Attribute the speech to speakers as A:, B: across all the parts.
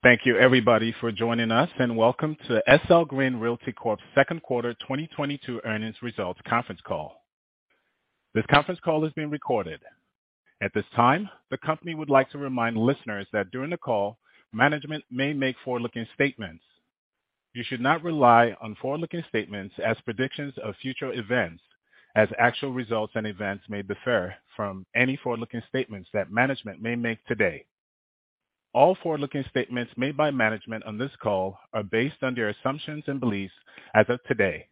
A: Thank you everybody for joining us, and welcome to SL Green Realty Corp's Q2 2022 earnings results conference call. This conference call is being recorded. At this time, the company would like to remind listeners that during the call, management may make forward-looking statements. You should not rely on forward-looking statements as predictions of future events, as actual results and events may differ from any forward-looking statements that management may make today. All forward-looking statements made by management on this call are based on their assumptions and beliefs as of today.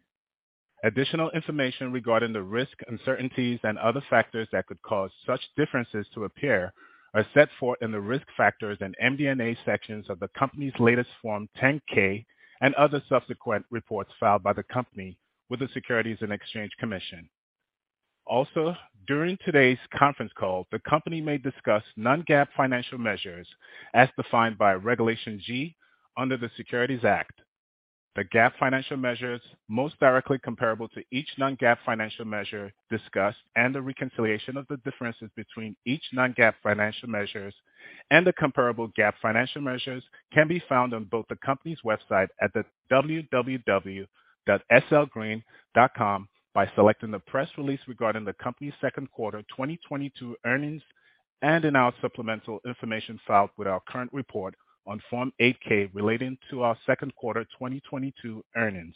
A: Additional information regarding the risk, uncertainties and other factors that could cause such differences to appear are set forth in the Risk Factors and MD&A sections of the company's latest Form 10-K and other subsequent reports filed by the company with the Securities and Exchange Commission. Also, during today's conference call, the company may discuss non-GAAP financial measures as defined by Regulation G under the Securities Act. The GAAP financial measures most directly comparable to each non-GAAP financial measure discussed, and the reconciliation of the differences between each non-GAAP financial measures and the comparable GAAP financial measures can be found on both the company's website at www.slgreen.com by selecting the press release regarding the company's Q2 2022 earnings, and in our supplemental information filed with our current report on Form 8-K relating to our Q2 2022 earnings.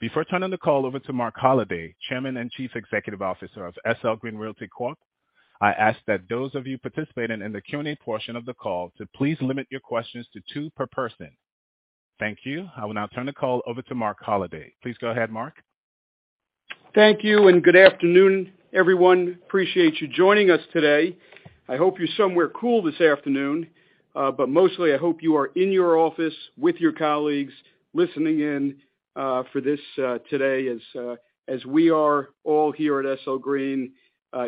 A: Before turning the call over to Marc Holliday, Chairman and Chief Executive Officer of SL Green Realty Corp., I ask that those of you participating in the Q&A portion of the call to please limit your questions to two per person. Thank you. I will now turn the call over to Marc Holliday. Please go ahead, Marc.
B: Thank you and good afternoon, everyone. Appreciate you joining us today. I hope you're somewhere cool this afternoon, but mostly I hope you are in your office with your colleagues listening in for this today as we are all here at SL Green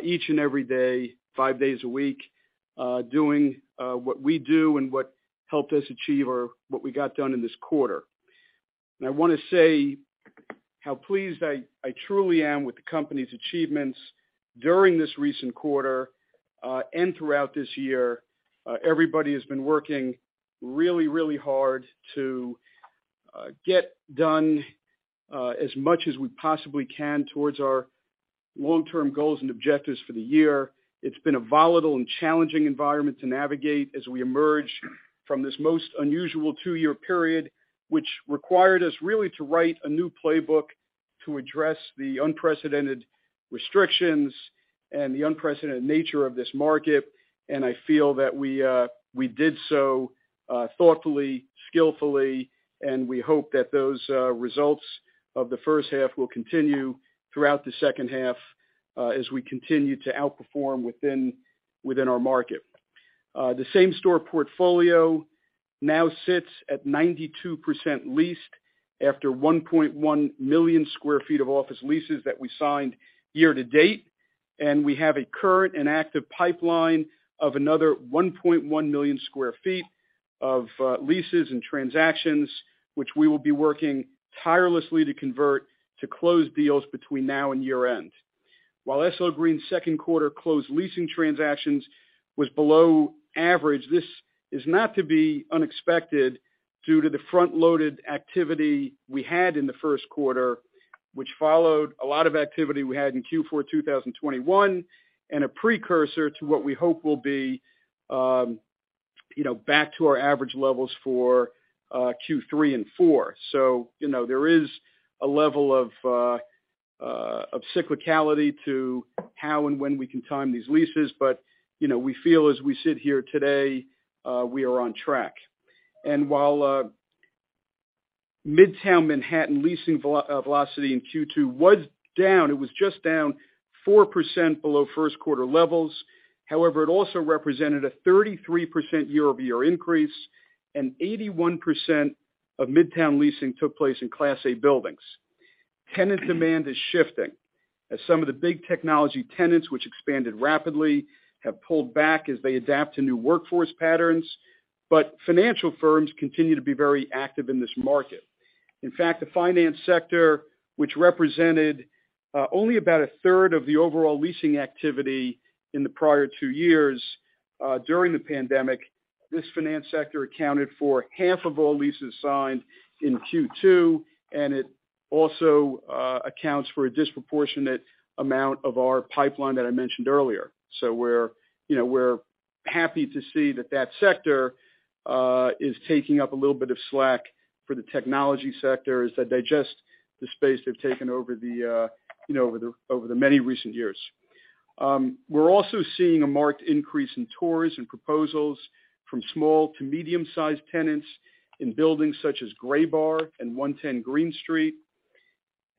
B: each and every day, five days a week, doing what we do and what helped us achieve or what we got done in this quarter. I wanna say how pleased I truly am with the company's achievements during this recent quarter and throughout this year. Everybody has been working really, really hard to get done as much as we possibly can towards our long-term goals and objectives for the year. It's been a volatile and challenging environment to navigate as we emerge from this most unusual two-year period, which required us really to write a new playbook to address the unprecedented restrictions and the unprecedented nature of this market. I feel that we did so thoughtfully, skillfully, and we hope that those results of the first half will continue throughout the second half as we continue to outperform within our market. The same store portfolio now sits at 92% leased after 1.1 million sq ft of office leases that we signed year to date. We have a current and active pipeline of another 1.1 million sq ft of leases and transactions, which we will be working tirelessly to convert to close deals between now and year-end. While SL Green's Q2 closed leasing transactions was below average, this is not to be unexpected due to the front-loaded activity we had in the first quarter, which followed a lot of activity we had in Q4 2021, and a precursor to what we hope will be, you know, back to our average levels for Q3 and Q4. You know, there is a level of cyclicality to how and when we can time these leases, but, you know, we feel as we sit here today, we are on track. While Midtown Manhattan leasing velocity in Q2 was down, it was just down 4% below Q1 levels. However, it also represented a 33% year-over-year increase, and 81% of Midtown leasing took place in Class A buildings. Tenant demand is shifting as some of the big technology tenants which expanded rapidly have pulled back as they adapt to new workforce patterns, but financial firms continue to be very active in this market. In fact, the finance sector, which represented only about a third of the overall leasing activity in the prior two years during the pandemic, this finance sector accounted for half of all leases signed in Q2, and it also accounts for a disproportionate amount of our pipeline that I mentioned earlier. We're, you know, happy to see that sector is taking up a little bit of slack for the technology sectors the space they've taken over the, you know, over the many recent years. We're also seeing a marked increase in tours and proposals from small to medium-sized tenants in buildings such as Graybar and 110 Greene Street.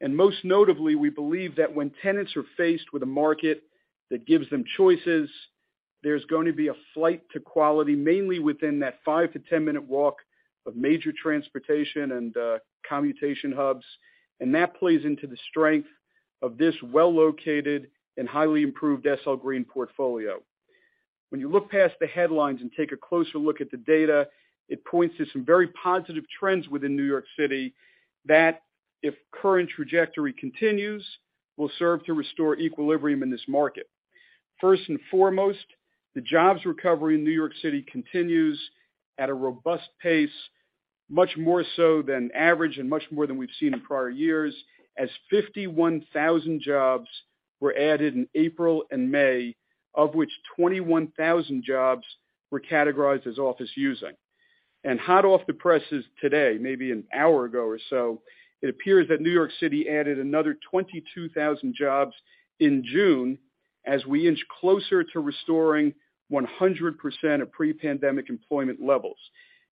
B: Most notably, we believe that when tenants are faced with a market that gives them choices, there's going to be a flight to quality, mainly within that 5-10 minute walk of major transportation and commutation hubs. That plays into the strength of this well-located and highly improved SL Green portfolio. When you look past the headlines and take a closer look at the data, it points to some very positive trends within New York City that if current trajectory continues will serve to restore equilibrium in this market. First and foremost, the jobs recovery in New York City continues at a robust pace, much more so than average and much more than we've seen in prior years, as 51,000 jobs were added in April and May, of which 21,000 jobs were categorized as office using. Hot off the presses today, maybe an hour ago or so, it appears that New York City added another 22,000 jobs in June as we inch closer to restoring 100% of pre-pandemic employment levels.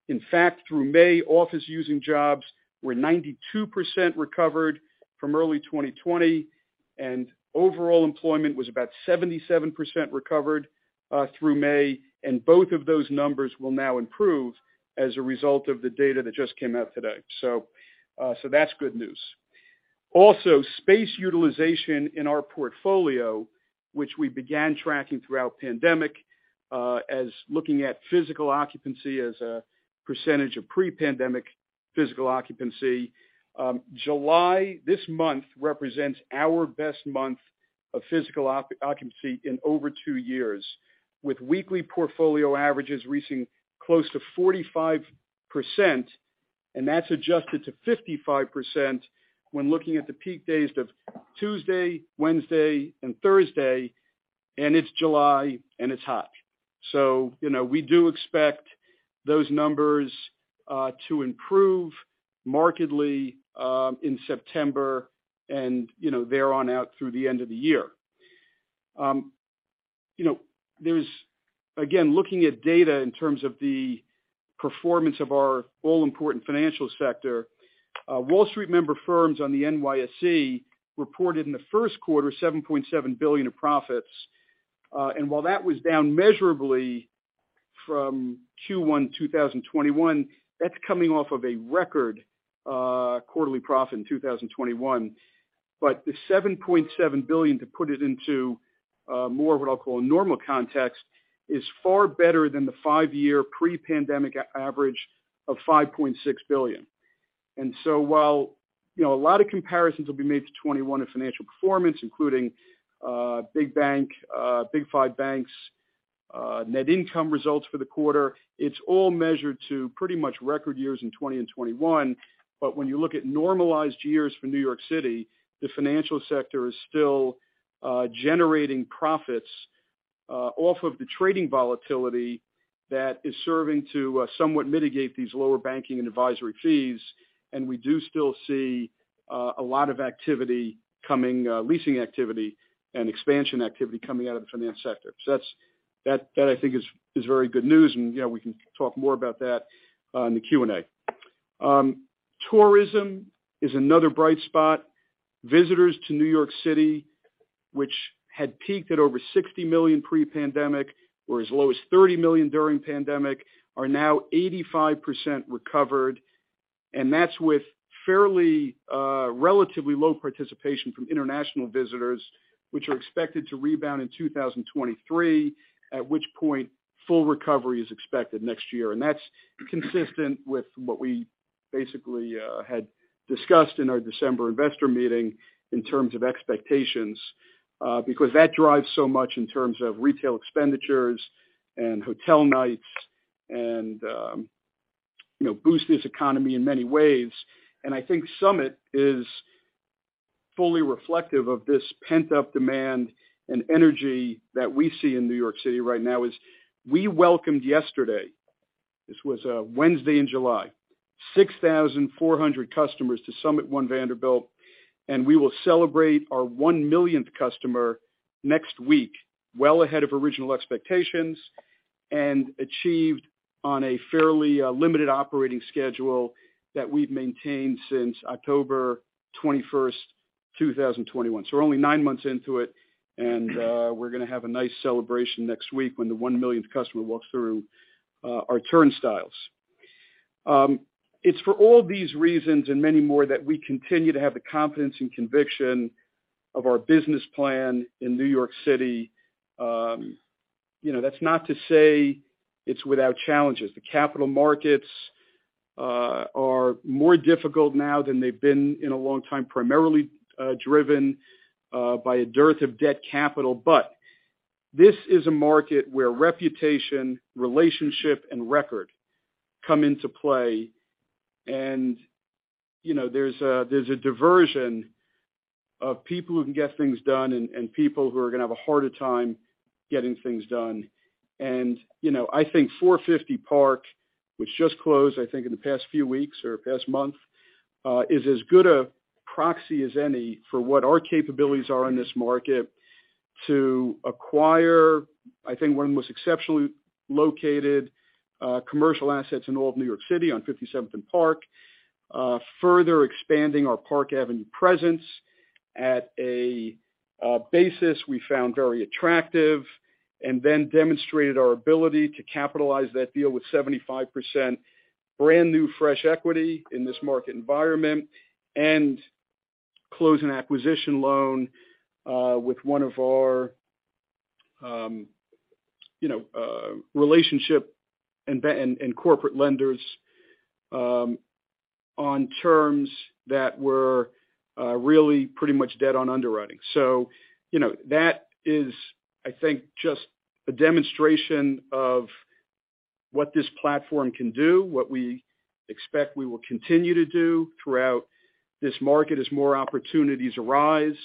B: In fact, through May, office using jobs were 92% recovered from early 2020, and overall employment was about 77% recovered through May, and both of those numbers will now improve as a result of the data that just came out today. That's good news. Also, space utilization in our portfolio, which we began tracking throughout pandemic, as looking at physical occupancy as a percentage of pre-pandemic physical occupancy. July, this month, represents our best month of physical occupancy in over two years, with weekly portfolio averages reaching close to 45%, and that's adjusted to 55% when looking at the peak days of Tuesday, Wednesday, and Thursday, and it's July, and it's hot. You know, we do expect those numbers to improve markedly in September and, you know, thereon out through the end of the year. You know, there's again, looking at data in terms of the performance of our all-important financial sector, Wall Street member firms on the NYSE reported in the first quarter $7.7 billion of profits. While that was down measurably from Q1 2021, that's coming off of a record quarterly profit in 2021. The $7.7 billion, to put it into more of what I'll call a normal context, is far better than the five-year pre-pandemic average of $5.6 billion. While you know a lot of comparisons will be made to 2021 in financial performance, including big bank big five banks net income results for the quarter, it's all measured to pretty much record years in 2020 and 2021. When you look at normalized years for New York City, the financial sector is still generating profits off of the trading volatility that is serving to somewhat mitigate these lower banking and advisory fees, and we do still see a lot of leasing activity and expansion activity coming out of the finance sector. That's that I think is very good news, and you know, we can talk more about that in the Q&A. Tourism is another bright spot. Visitors to New York City, which had peaked at over 60 million pre-pandemic, were as low as 30 million during pandemic, are now 85% recovered. That's with fairly relatively low participation from international visitors, which are expected to rebound in 2023, at which point full recovery is expected next year. That's consistent with what we basically had discussed in our December investor meeting in terms of expectations, because that drives so much in terms of retail expenditures and hotel nights and, you know, boosts this economy in many ways. I think SUMMIT is fully reflective of this pent-up demand and energy that we see in New York City right now, as we welcomed yesterday, this was a Wednesday in July, 6,400 customers to SUMMIT One Vanderbilt, and we will celebrate our one millionth customer next week, well ahead of original expectations and achieved on a fairly limited operating schedule that we've maintained since October 21, 2021. We're only 9 months into it, and we're going to have a nice celebration next week when the one millionth customer walks through our turnstiles. It's for all these reasons and many more that we continue to have the confidence and conviction of our business plan in New York City. You know, that's not to say it's without challenges. The capital markets are more difficult now than they've been in a long time, primarily driven by a dearth of debt capital. This is a market where reputation, relationship, and record come into play. You know, there's a diversion of people who can get things done and people who are going to have a harder time getting things done. you know, I think 450 Park Avenue, which just closed, I think, in the past few weeks or past month, is as good a proxy as any for what our capabilities are in this market to acquire, I think, one of the most exceptionally located, commercial assets in all of New York City on 57th and Park, further expanding our Park Avenue presence at a basis we found very attractive, and then demonstrated our ability to capitalize that deal with 75% brand-new fresh equity in this market environment and close an acquisition loan, with one of our relationship and corporate lenders, on terms that were, really pretty much dead on underwriting. You know, that is, I think, just a demonstration of what this platform can do, what we expect we will continue to do throughout this market as more opportunities arise.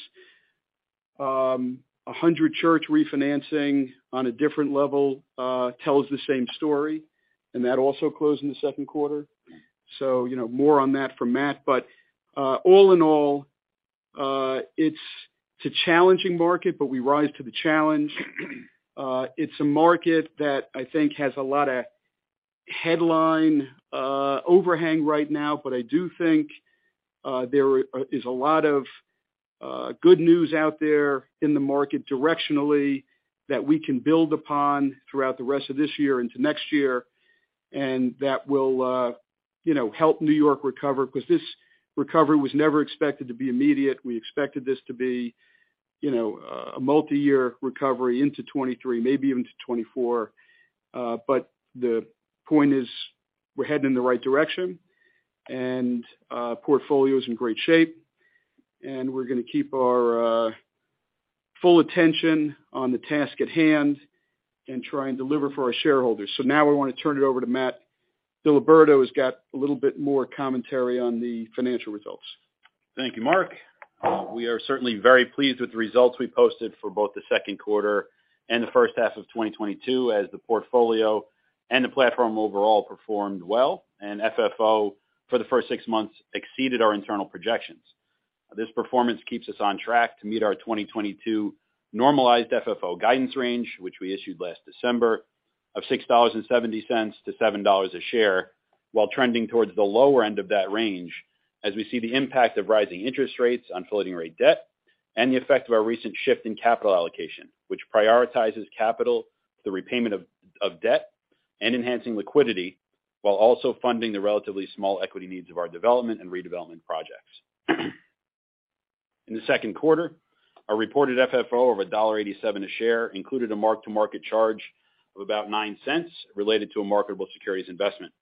B: 100 Church refinancing on a different level tells the same story, and that also closed in the Q2. You know, more on that from Matt. All in all, it's a challenging market, but we rise to the challenge. It's a market that I think has a lot of headline overhang right now, but I do think there is a lot of good news out there in the market directionally that we can build upon throughout the rest of this year into next year. That will, you know, help New York recover, because this recovery was never expected to be immediate. We expected this to be, you know, a multi-year recovery into 2023, maybe even to 2024. The point is, we're heading in the right direction and portfolio is in great shape, and we're gonna keep our full attention on the task at hand and try and deliver for our shareholders. Now we wanna turn it over to Matt DiLiberto, who's got a little bit more commentary on the financial results.
C: Thank you, Mark. We are certainly very pleased with the results we posted for both the Q2 and the H1 of 2022 as the portfolio and the platform overall performed well, and FFO for the first six months exceeded our internal projections. This performance keeps us on track to meet our 2022 normalized FFO guidance range, which we issued last December of $6.70-$7 a share, while trending towards the lower end of that range, as we see the impact of rising interest rates on floating rate debt and the effect of our recent shift in capital allocation, which prioritizes capital to the repayment of debt and enhancing liquidity while also funding the relatively small equity needs of our development and redevelopment projects. In the Q2, our reported FFO of $1.87 a share included a mark-to-market charge of about $0.09 related to a marketable securities investment.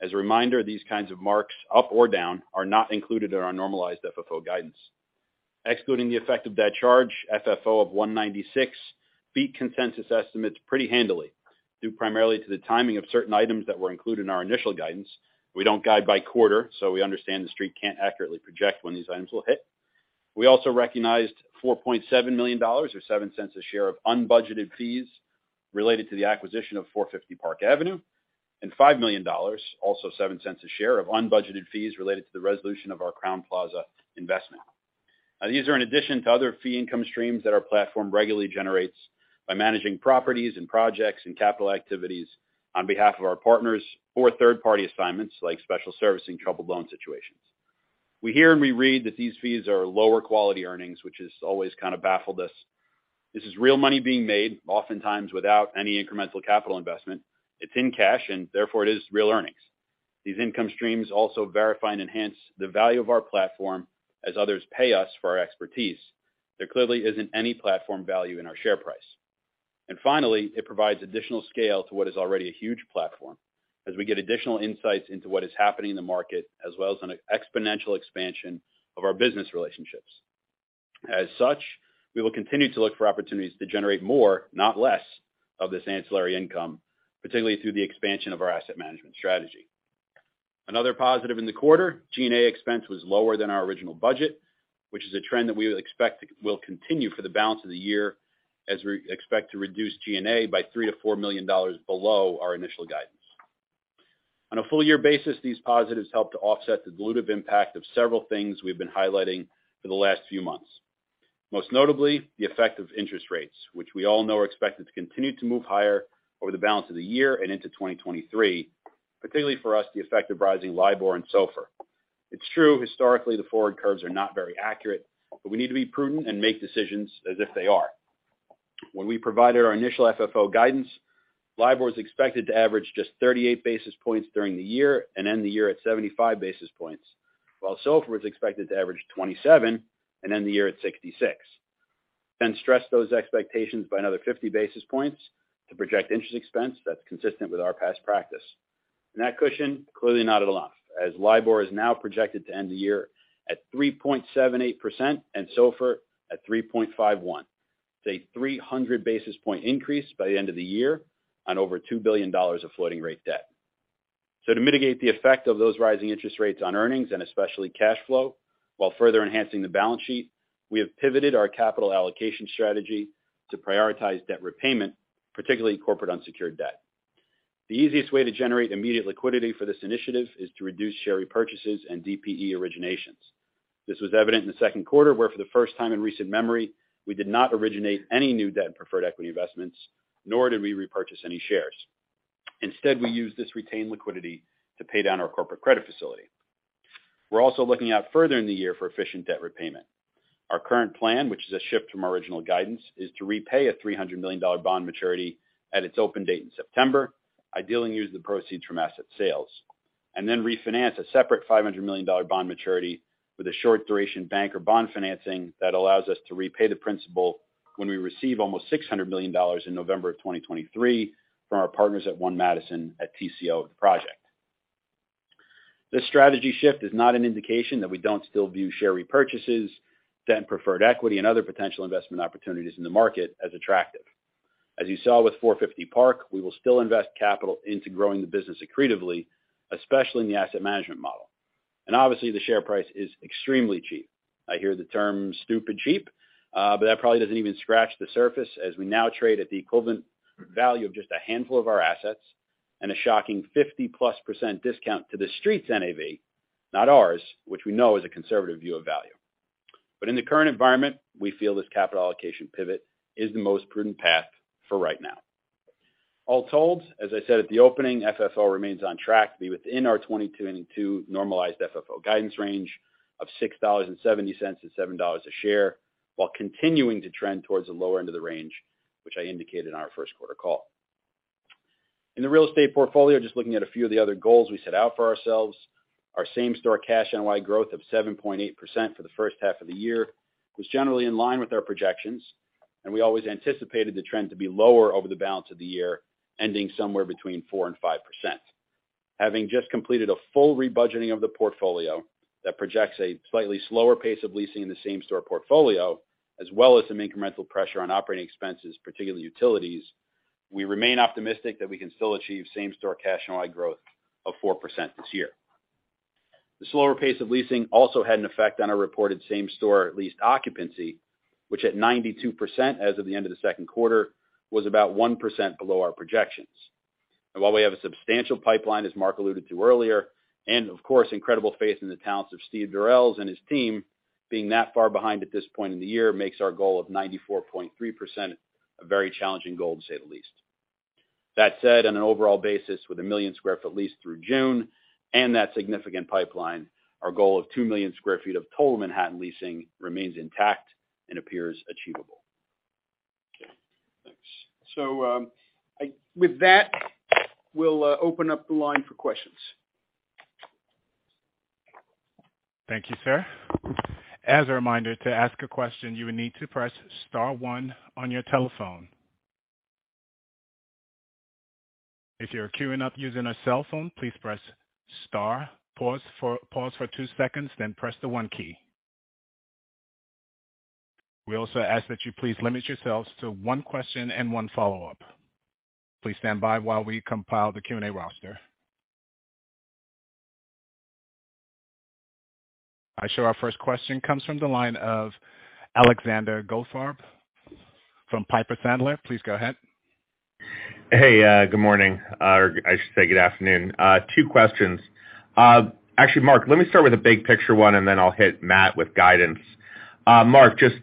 C: As a reminder, these kinds of marks, up or down, are not included in our normalized FFO guidance. Excluding the effect of that charge, FFO of $1.96 beat consensus estimates pretty handily, due primarily to the timing of certain items that were included in our initial guidance. We don't guide by quarter, so we understand The Street can't accurately project when these items will hit. We also recognized $4.7 million or $0.7 a share, of unbudgeted fees related to the acquisition of 450 Park Avenue and $5 million, also $0.7 a share, of unbudgeted fees related to the resolution of our Crowne Plaza investment. These are in addition to other fee income streams that our platform regularly generates by managing properties and projects and capital activities on behalf of our partners or third-party assignments like special servicing troubled loan situations. We hear and we read that these fees are lower quality earnings, which has always kind of baffled us. This is real money being made, oftentimes without any incremental capital investment. It's in cash, and therefore it is real earnings. These income streams also verify and enhance the value of our platform as others pay us for our expertise. There clearly isn't any platform value in our share price. Finally, it provides additional scale to what is already a huge platform as we get additional insights into what is happening in the market, as well as an exponential expansion of our business relationships. As such, we will continue to look for opportunities to generate more, not less, of this ancillary income, particularly through the expansion of our asset management strategy. Another positive in the quarter, G&A expense was lower than our original budget, which is a trend that we expect will continue for the balance of the year as we expect to reduce G&A by $3 million-$4 million below our initial guidance. On a full year basis, these positives help to offset the dilutive impact of several things we've been highlighting for the last few months. Most notably, the effect of interest rates, which we all know are expected to continue to move higher over the balance of the year and into 2023, particularly for us, the effect of rising LIBOR and SOFR. It's true, historically, the forward curves are not very accurate, but we need to be prudent and make decisions as if they are. When we provided our initial FFO guidance, LIBOR is expected to average just 38 basis points during the year and end the year at 75 basis points, while SOFR is expected to average 27 and end the year at 66. Stress those expectations by another 50 basis points to project interest expense that's consistent with our past practice. That cushion, clearly not at a loss, as LIBOR is now projected to end the year at 3.78% and SOFR at 3.51. It's a 300 basis point increase by the end of the year on over $2 billion of floating rate debt. To mitigate the effect of those rising interest rates on earnings and especially cash flow, while further enhancing the balance sheet, we have pivoted our capital allocation strategy to prioritize debt repayment, particularly corporate unsecured debt. The easiest way to generate immediate liquidity for this initiative is to reduce share repurchases and DPE originations. This was evident in the Q2, where for the first time in recent memory, we did not originate any new debt and preferred equity investments, nor did we repurchase any shares. Instead, we used this retained liquidity to pay down our corporate credit facility. We're also looking out further in the year for efficient debt repayment. Our current plan, which is a shift from our original guidance, is to repay a $300 million bond maturity at its open date in September, ideally use the proceeds from asset sales. Then refinance a separate $500 million bond maturity with a short duration bank or bond financing that allows us to repay the principal when we receive almost $600 million in November of 2023 from our partners at One Madison at TCO of the project. This strategy shift is not an indication that we don't still view share repurchases, debt and preferred equity, and other potential investment opportunities in the market as attractive. As you saw with 450 Park, we will still invest capital into growing the business accretively, especially in the asset management model. Obviously, the share price is extremely cheap. I hear the term stupid cheap, but that probably doesn't even scratch the surface as we now trade at the equivalent value of just a handful of our assets and a shocking +50% discount to the street's NAV, not ours, which we know is a conservative view of value. In the current environment, we feel this capital allocation pivot is the most prudent path for right now. All told, as I said at the opening, FFO remains on track to be within our 2022 Q2 normalized FFO guidance range of $6.70-$7 a share while continuing to trend towards the lower end of the range, which I indicated in our Q1 call. In the real estate portfolio, just looking at a few of the other goals we set out for ourselves, our same-store cash NOI growth of 7.8% for the H1 of the year was generally in line with our projections, and we always anticipated the trend to be lower over the balance of the year, ending somewhere between 4% and 5%. Having just completed a full rebudgeting of the portfolio that projects a slightly slower pace of leasing in the same-store portfolio, as well as some incremental pressure on operating expenses, particularly utilities, we remain optimistic that we can still achieve same-store cash NOI growth of 4% this year. The slower pace of leasing also had an effect on our reported same-store leased occupancy, which at 92% as of the end of the Q2, was about 1% below our projections. While we have a substantial pipeline, as Marc alluded to earlier, and of course, incredible faith in the talents of Steven Durels and his team, being that far behind at this point in the year makes our goal of 94.3% a very challenging goal, to say the least. That said, on an overall basis, with 1 million sq ft leased through June and that significant pipeline, our goal of 2 million sq ft of total Manhattan leasing remains intact and appears achievable.
B: Okay, thanks. With that, we'll open up the line for questions.
A: Thank you, sir. As a reminder, to ask a question, you will need to press star one on your telephone. If you're queuing up using a cell phone, please press star, pause for two seconds, then press the one key. We also ask that you please limit yourselves to one question and one follow-up. Please stand by while we compile the Q&A roster. I show our first question comes from the line of Alexander Goldfarb from Piper Sandler. Please go ahead.
D: Hey, good morning. Or I should say good afternoon. Two questions. Actually, Marc, let me start with a big picture one, and then I'll hit Matthew with guidance. Marc, just,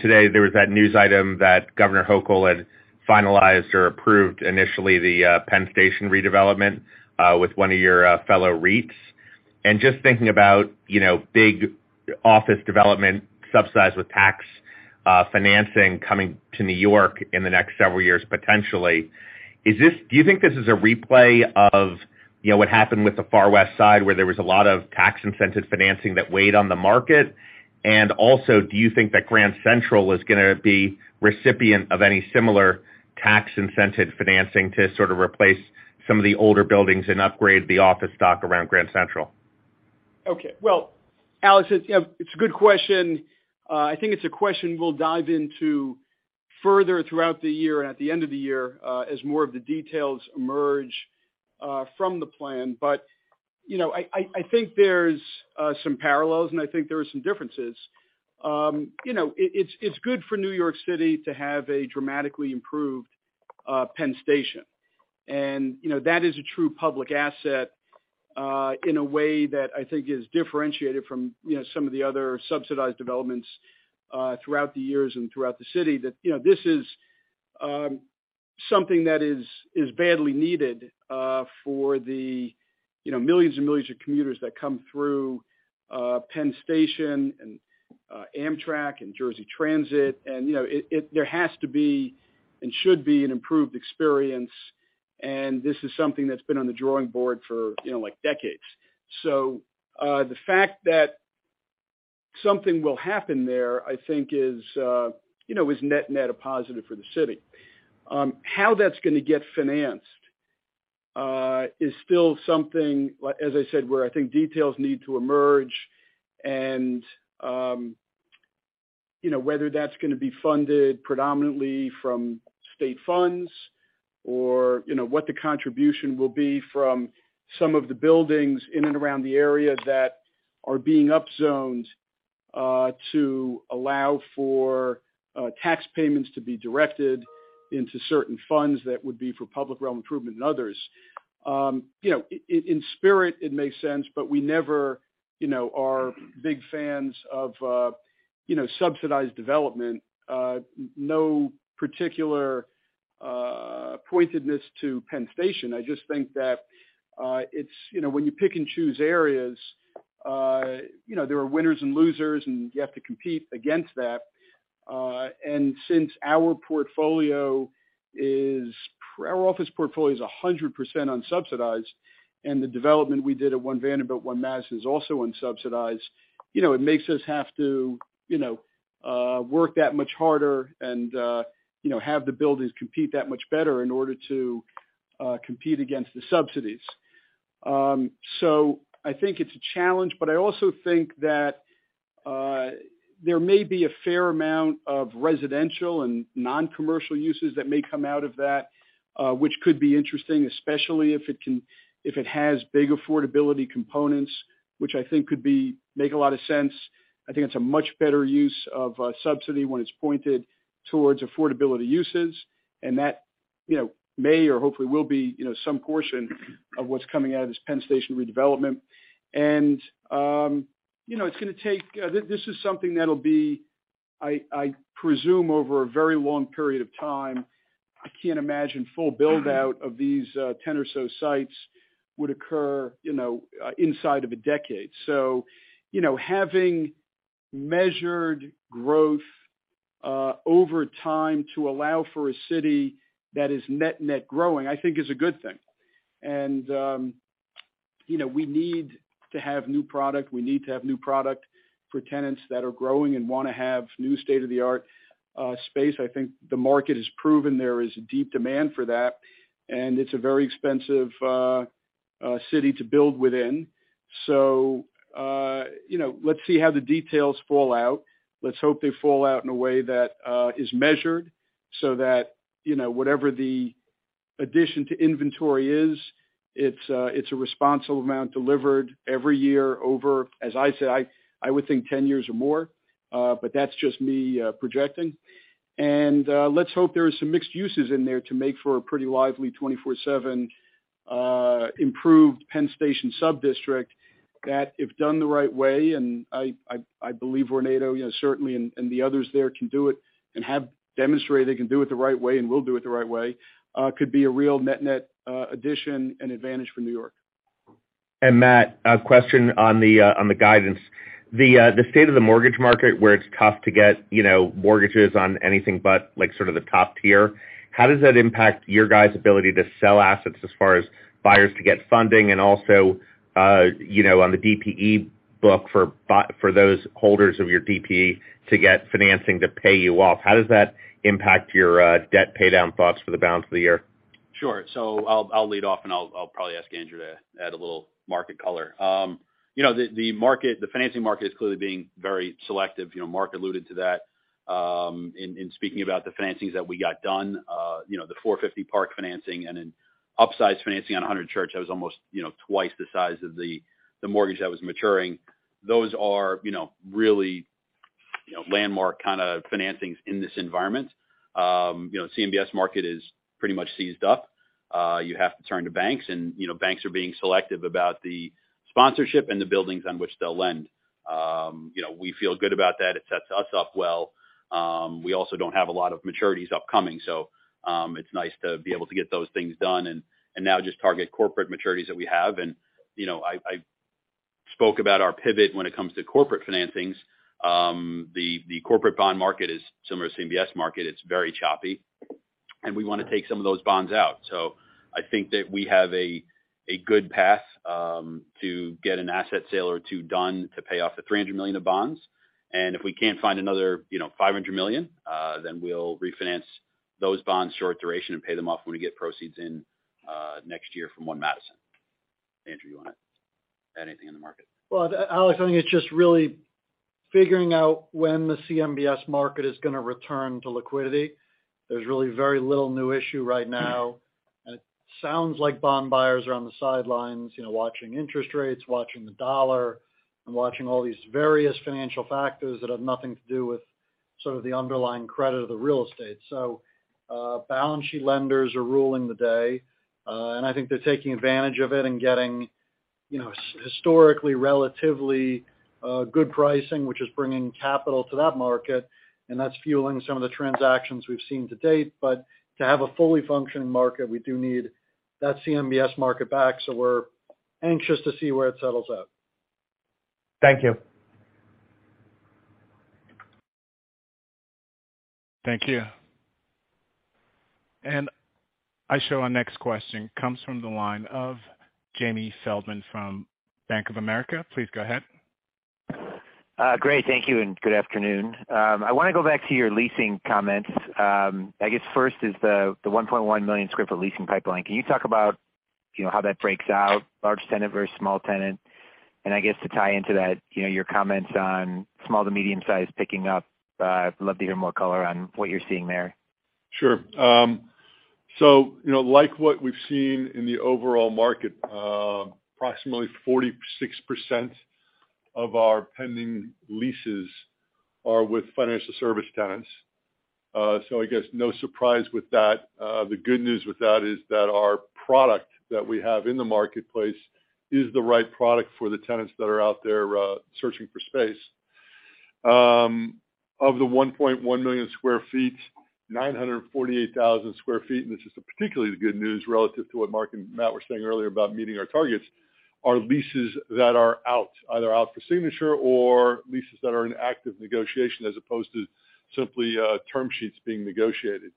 D: today, there was that news item that Governor Hochul had finalized or approved initially the, Penn Station redevelopment, with one of your, fellow REITs. Just thinking about, you know, big office development subsidized with tax, financing coming to New York in the next several years, potentially, is this a replay of, you know, what happened with the Far West Side, where there was a lot of tax-incented financing that weighed on the market? Also, do you think that Grand Central is gonna be recipient of any similar tax-incentivized financing to sort of replace some of the older buildings and upgrade the office stock around Grand Central?
B: Okay. Well, Alex, it's, you know, it's a good question. I think it's a question we'll dive into further throughout the year and at the end of the year, as more of the details emerge from the plan. You know, I think there's some parallels, and I think there are some differences. You know, it's good for New York City to have a dramatically improved Penn Station. You know, that is a true public asset in a way that I think is differentiated from some of the other subsidized developments throughout the years and throughout the city that this is something that is badly needed for the millions and millions of commuters that come through Penn Station and Amtrak and NJ Transit. You know, there has to be and should be an improved experience, and this is something that's been on the drawing board for, you know, like, decades. The fact that something will happen there, I think is, you know, net net a positive for the city. How that's gonna get financed is still something, like as I said, where I think details need to emerge and, you know, whether that's gonna be funded predominantly from state funds or, you know, what the contribution will be from some of the buildings in and around the area that are being upzoned to allow for tax payments to be directed into certain funds that would be for public realm improvement and others. In spirit, it makes sense, but we never, you know, are big fans of, you know, subsidized development, no particular pointedness to Penn Station. I just think that, it's, you know, when you pick and choose areas. You know, there are winners and losers, and you have to compete against that. And since our portfolio is our office portfolio is 100% unsubsidized, and the development we did at One Vanderbilt, One Madison is also unsubsidized. You know, it makes us have to, you know, work that much harder and, you know, have the buildings compete that much better in order to, compete against the subsidies. I think it's a challenge, but I also think that there may be a fair amount of residential and non-commercial uses that may come out of that, which could be interesting, especially if it has big affordability components, which I think could make a lot of sense. I think it's a much better use of subsidy when it's pointed towards affordability uses, and that, you know, may or hopefully will be some portion of what's coming out of this Penn Station redevelopment. You know, it's gonna take. This is something that'll be, I presume, over a very long period of time. I can't imagine full build-out of these 10 or so sites would occur, you know, inside of a decade. you know, having measured growth over time to allow for a city that is net-net growing, I think is a good thing. you know, we need to have new product. We need to have new product for tenants that are growing and wanna have new state-of-the-art space. I think the market has proven there is a deep demand for that, and it's a very expensive city to build within. you know, let's see how the details fall out. Let's hope they fall out in a way that is measured so that, you know, whatever the addition to inventory is, it's a responsible amount delivered every year over, as I say, I would think 10 years or more, but that's just me projecting. Let's hope there is some mixed uses in there to make for a pretty lively 24/7, improved Penn Station sub-district that if done the right way, and I believe Vornado, you know, certainly and the others there can do it and have demonstrated they can do it the right way and will do it the right way, could be a real net-net, addition and advantage for New York.
D: Matt, a question on the guidance. The state of the mortgage market, where it's tough to get, you know, mortgages on anything but like sort of the top tier, how does that impact your guys' ability to sell assets as far as buyers to get funding? Also, you know, on the DPE book for those holders of your DPE to get financing to pay you off, how does that impact your debt paydown thoughts for the balance of the year?
C: Sure. I'll lead off, and I'll probably ask Andrew to add a little market color. You know, the financing market is clearly being very selective. You know, Marc alluded to that, in speaking about the financings that we got done, you know, the 450 Park financing and an upsized financing on 100 Church Street that was almost, you know, twice the size of the mortgage that was maturing. Those are, you know, really, you know, landmark kinda financings in this environment. CMBS market is pretty much seized up. You have to turn to banks, and banks are being selective about the sponsorship and the buildings on which they'll lend. You know, we feel good about that. It sets us up well. We also don't have a lot of maturities upcoming, so it's nice to be able to get those things done and now just target corporate maturities that we have. You know, I spoke about our pivot when it comes to corporate financings. The corporate bond market is similar to CMBS market. It's very choppy, and we wanna take some of those bonds out. I think that we have a good path to get an asset sale or two done to pay off the $300 million of bonds. If we can't find another, you know, $500 million, then we'll refinance those bonds' short duration and pay them off when we get proceeds in next year from One Madison. Andrew, you wanna add anything in the market?
B: Alexander, I think it's just really figuring out when the CMBS market is gonna return to liquidity. There's really very little new issue right now. It sounds like bond buyers are on the sidelines, you know, watching interest rates, watching the dollar, and watching all these various financial factors that have nothing to do with sort of the underlying credit of the real estate. Balance sheet lenders are ruling the day, and I think they're taking advantage of it and getting, you know, historically, relatively, good pricing, which is bringing capital to that market, and that's fueling some of the transactions we've seen to date. To have a fully functioning market, we do need that CMBS market back, so we're anxious to see where it settles at.
D: Thank you.
A: Thank you. I show our next question comes from the line of Jamie Feldman from Bank of America. Please go ahead.
E: Great. Thank you, and good afternoon. I wanna go back to your leasing comments. I guess first is the 1.1 million sq ft leasing pipeline. Can you talk about, you know, how that breaks out, large tenant versus small tenant? I guess to tie into that, you know, your comments on small to medium size picking up, I'd love to hear more color on what you're seeing there.
F: Sure. You know, like what we've seen in the overall market, approximately 46% of our pending leases are with financial service tenants. I guess no surprise with that. The good news with that is that our product that we have in the marketplace is the right product for the tenants that are out there searching for space. Of the 1.1 million sq ft, 948,000 sq ft, and this is particularly the good news relative to what Marc and Matt were saying earlier about meeting our targets, are leases that are out, either out for signature or leases that are in active negotiation as opposed to simply, term sheets being negotiated.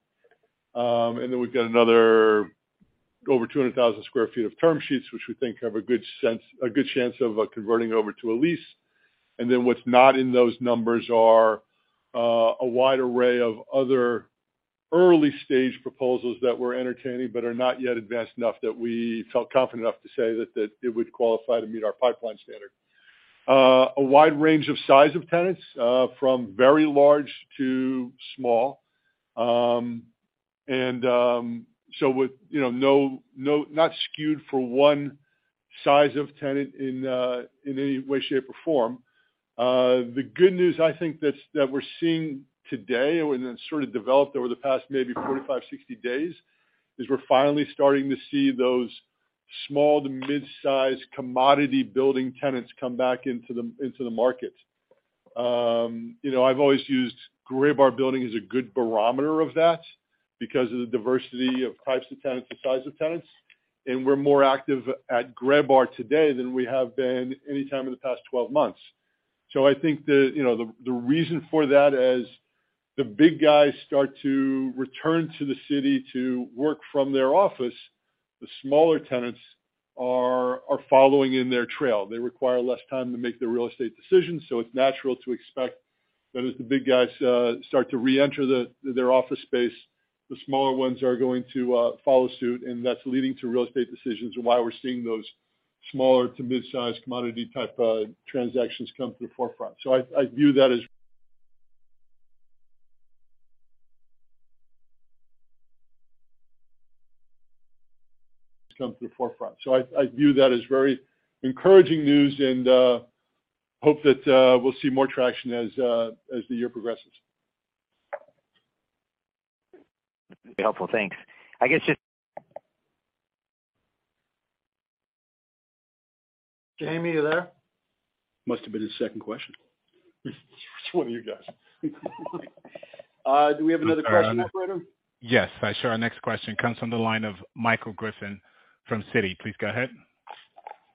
F: We've got another over 200,000 sq ft of term sheets, which we think have a good chance of converting over to a lease. What's not in those numbers are a wide array of other early-stage proposals that we're entertaining but are not yet advanced enough that we felt confident enough to say that it would qualify to meet our pipeline standard. A wide range of size of tenants, from very large to small. with, you know, no not skewed for one size of tenant in any way, shape, or form. The good news, I think that we're seeing today and that sort of developed over the past maybe 45, 60 days, is we're finally starting to see those small to mid-size commodity building tenants come back into the market. You know, I've always used Graybar Building as a good barometer of that because of the diversity of types of tenants and size of tenants, and we're more active at Graybar today than we have been any time in the past 12 months. I think the, you know, the reason for that as the big guys start to return to the city to work from their office, the smaller tenants are following in their trail. They require less time to make the real estate decisions, so it's natural to expect that as the big guys start to reenter their office space, the smaller ones are going to follow suit, and that's leading to real estate decisions and why we're seeing those smaller to mid-size co, modity type transactions come to the forefront. I view that as very encouraging news and hope that we'll see more traction as the year progresses.
E: Very helpful. Thanks. I guess just-
F: Jamie, are you there?
C: Must have been his second question.
F: It's one of you guys. Do we have another question Operator?
A: Yes. Sure. Our next question comes from the line of Michael Griffin from Citi. Please go ahead.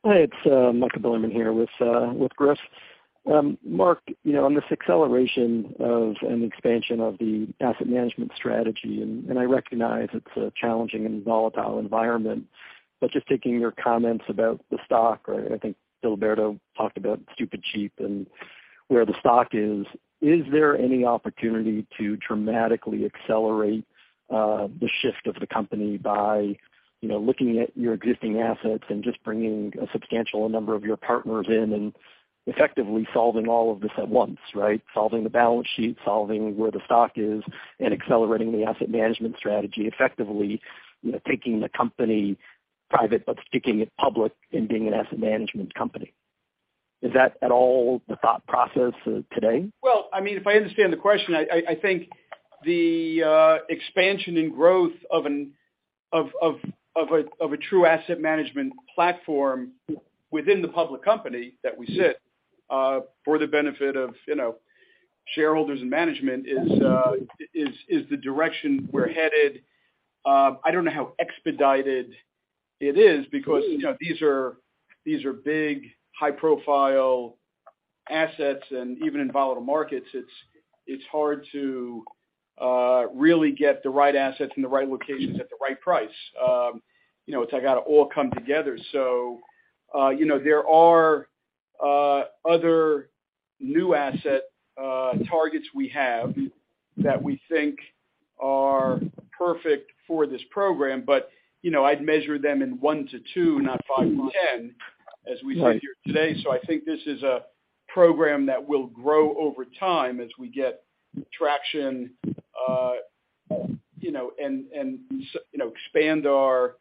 G: Hi, it's Michael Silverman here with Griff. Mark, you know, on this acceleration of an expansion of the asset management strategy, and I recognize it's a challenging and volatile environment, but just taking your comments about the stock, or I think DiLiberto talked about stupid cheap and where the stock is. Is there any opportunity to dramatically accelerate the shift of the company by, you know, looking at your existing assets and just bringing a substantial number of your partners in and effectively solving all of this at once, right? Solving the balance sheet, solving where the stock is, and accelerating the asset management strategy effectively, you know, taking the company private, but keeping it public and being an asset management company. Is that at all the thought process today?
B: I mean, if I understand the question, I think the expansion and growth of a true asset management platform within the public company that we sit for the benefit of, you know, shareholders and management is the direction we're headed. I don't know how expedited it is because, you know, these are big, high-profile assets, and even in volatile markets, it's hard to really get the right assets in the right locations at the right price. You know, it's like, gotta all come together. You know, there are other new asset targets we have that we think are perfect for this program, but, you know, I'd measure them in 1-2, not 5-10, as we sit here today.
F: I think this is a program that will grow over time as we get traction, you know, and you know, expand our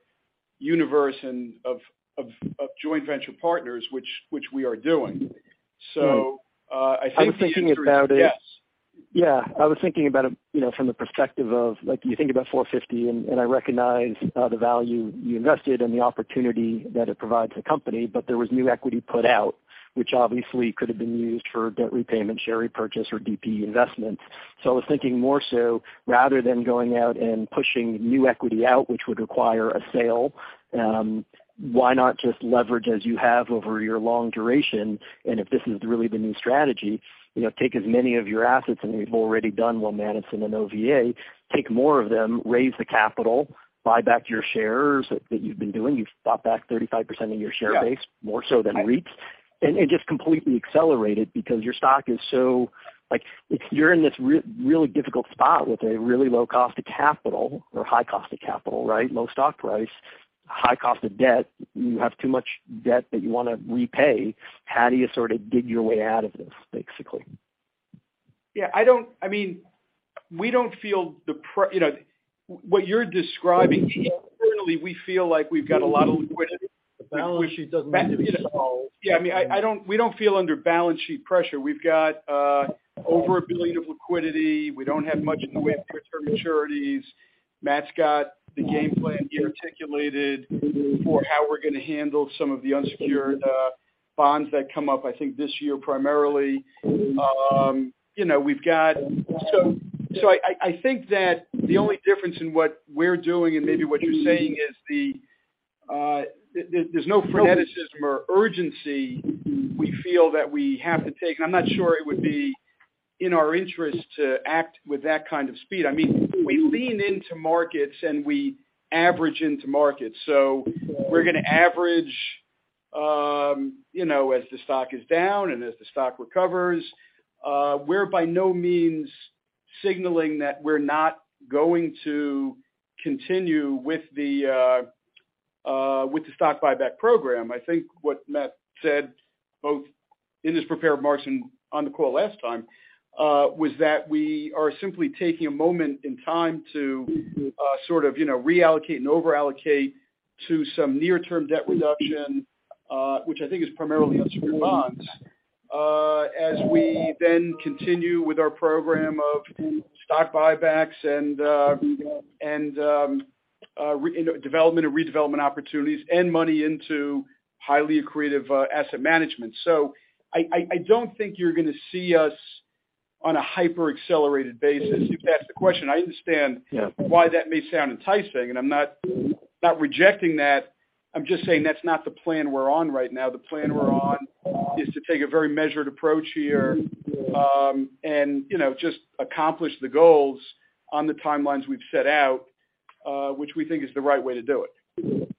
F: universe and of joint venture partners, which we are doing.
G: I was thinking about it.
F: Yes.
G: Yeah. I was thinking about it, you know, from the perspective of like you think about 450, and I recognize the value you invested and the opportunity that it provides the company. There was new equity put out, which obviously could have been used for debt repayment, share repurchase, or DPE investments. I was thinking more so rather than going out and pushing new equity out, which would require a sale, why not just leverage as you have over your long duration? If this is really the new strategy, you know, take as many of your assets, and we've already done well, Madison and OVA, take more of them, raise the capital, buy back your shares that you've been doing. You've bought back 35% of your share base-
F: Yeah...
G: more so than REITs, and just completely accelerate it because your stock is so. Like, it's you're in this really difficult spot with a really low cost of capital or high cost of capital, right? Low stock price, high cost of debt. You have too much debt that you wanna repay. How do you sort of dig your way out of this, basically?
F: I mean, we don't feel, you know, what you're describing, internally, we feel like we've got a lot of liquidity.
C: The balance sheet doesn't need to be solved.
F: Yeah, I mean, we don't feel under balance sheet pressure. We've got over $1 billion of liquidity. We don't have much in the way of near-term maturities. Matt's got the game plan he articulated for how we're gonna handle some of the unsecured.
B: Bonds that come up, I think this year primarily. I think that the only difference in what we're doing and maybe what you're saying is that there's no freneticism or urgency we feel that we have to take. I'm not sure it would be in our interest to act with that kind of speed. We lean into markets, and we average into markets, so we're gonna average as the stock is down and as the stock recovers. We're by no means signaling that we're not going to continue with the stock buyback program. I think what Matt said, both in his prepared remarks and on the call last time, was that we are simply taking a moment in time to sort of, you know, reallocate and over-allocate to some near-term debt reduction, which I think is primarily unsecured bonds, as we then continue with our program of stock buybacks and into development and redevelopment opportunities and money into highly accretive, asset management. I don't think you're gonna see us on a hyper-accelerated basis. You've asked the question, I understand.
G: Yeah.
B: Why that may sound enticing, and I'm not rejecting that. I'm just saying that's not the plan we're on right now. The plan we're on is to take a very measured approach here, and you know, just accomplish the goals on the timelines we've set out, which we think is the right way to do it.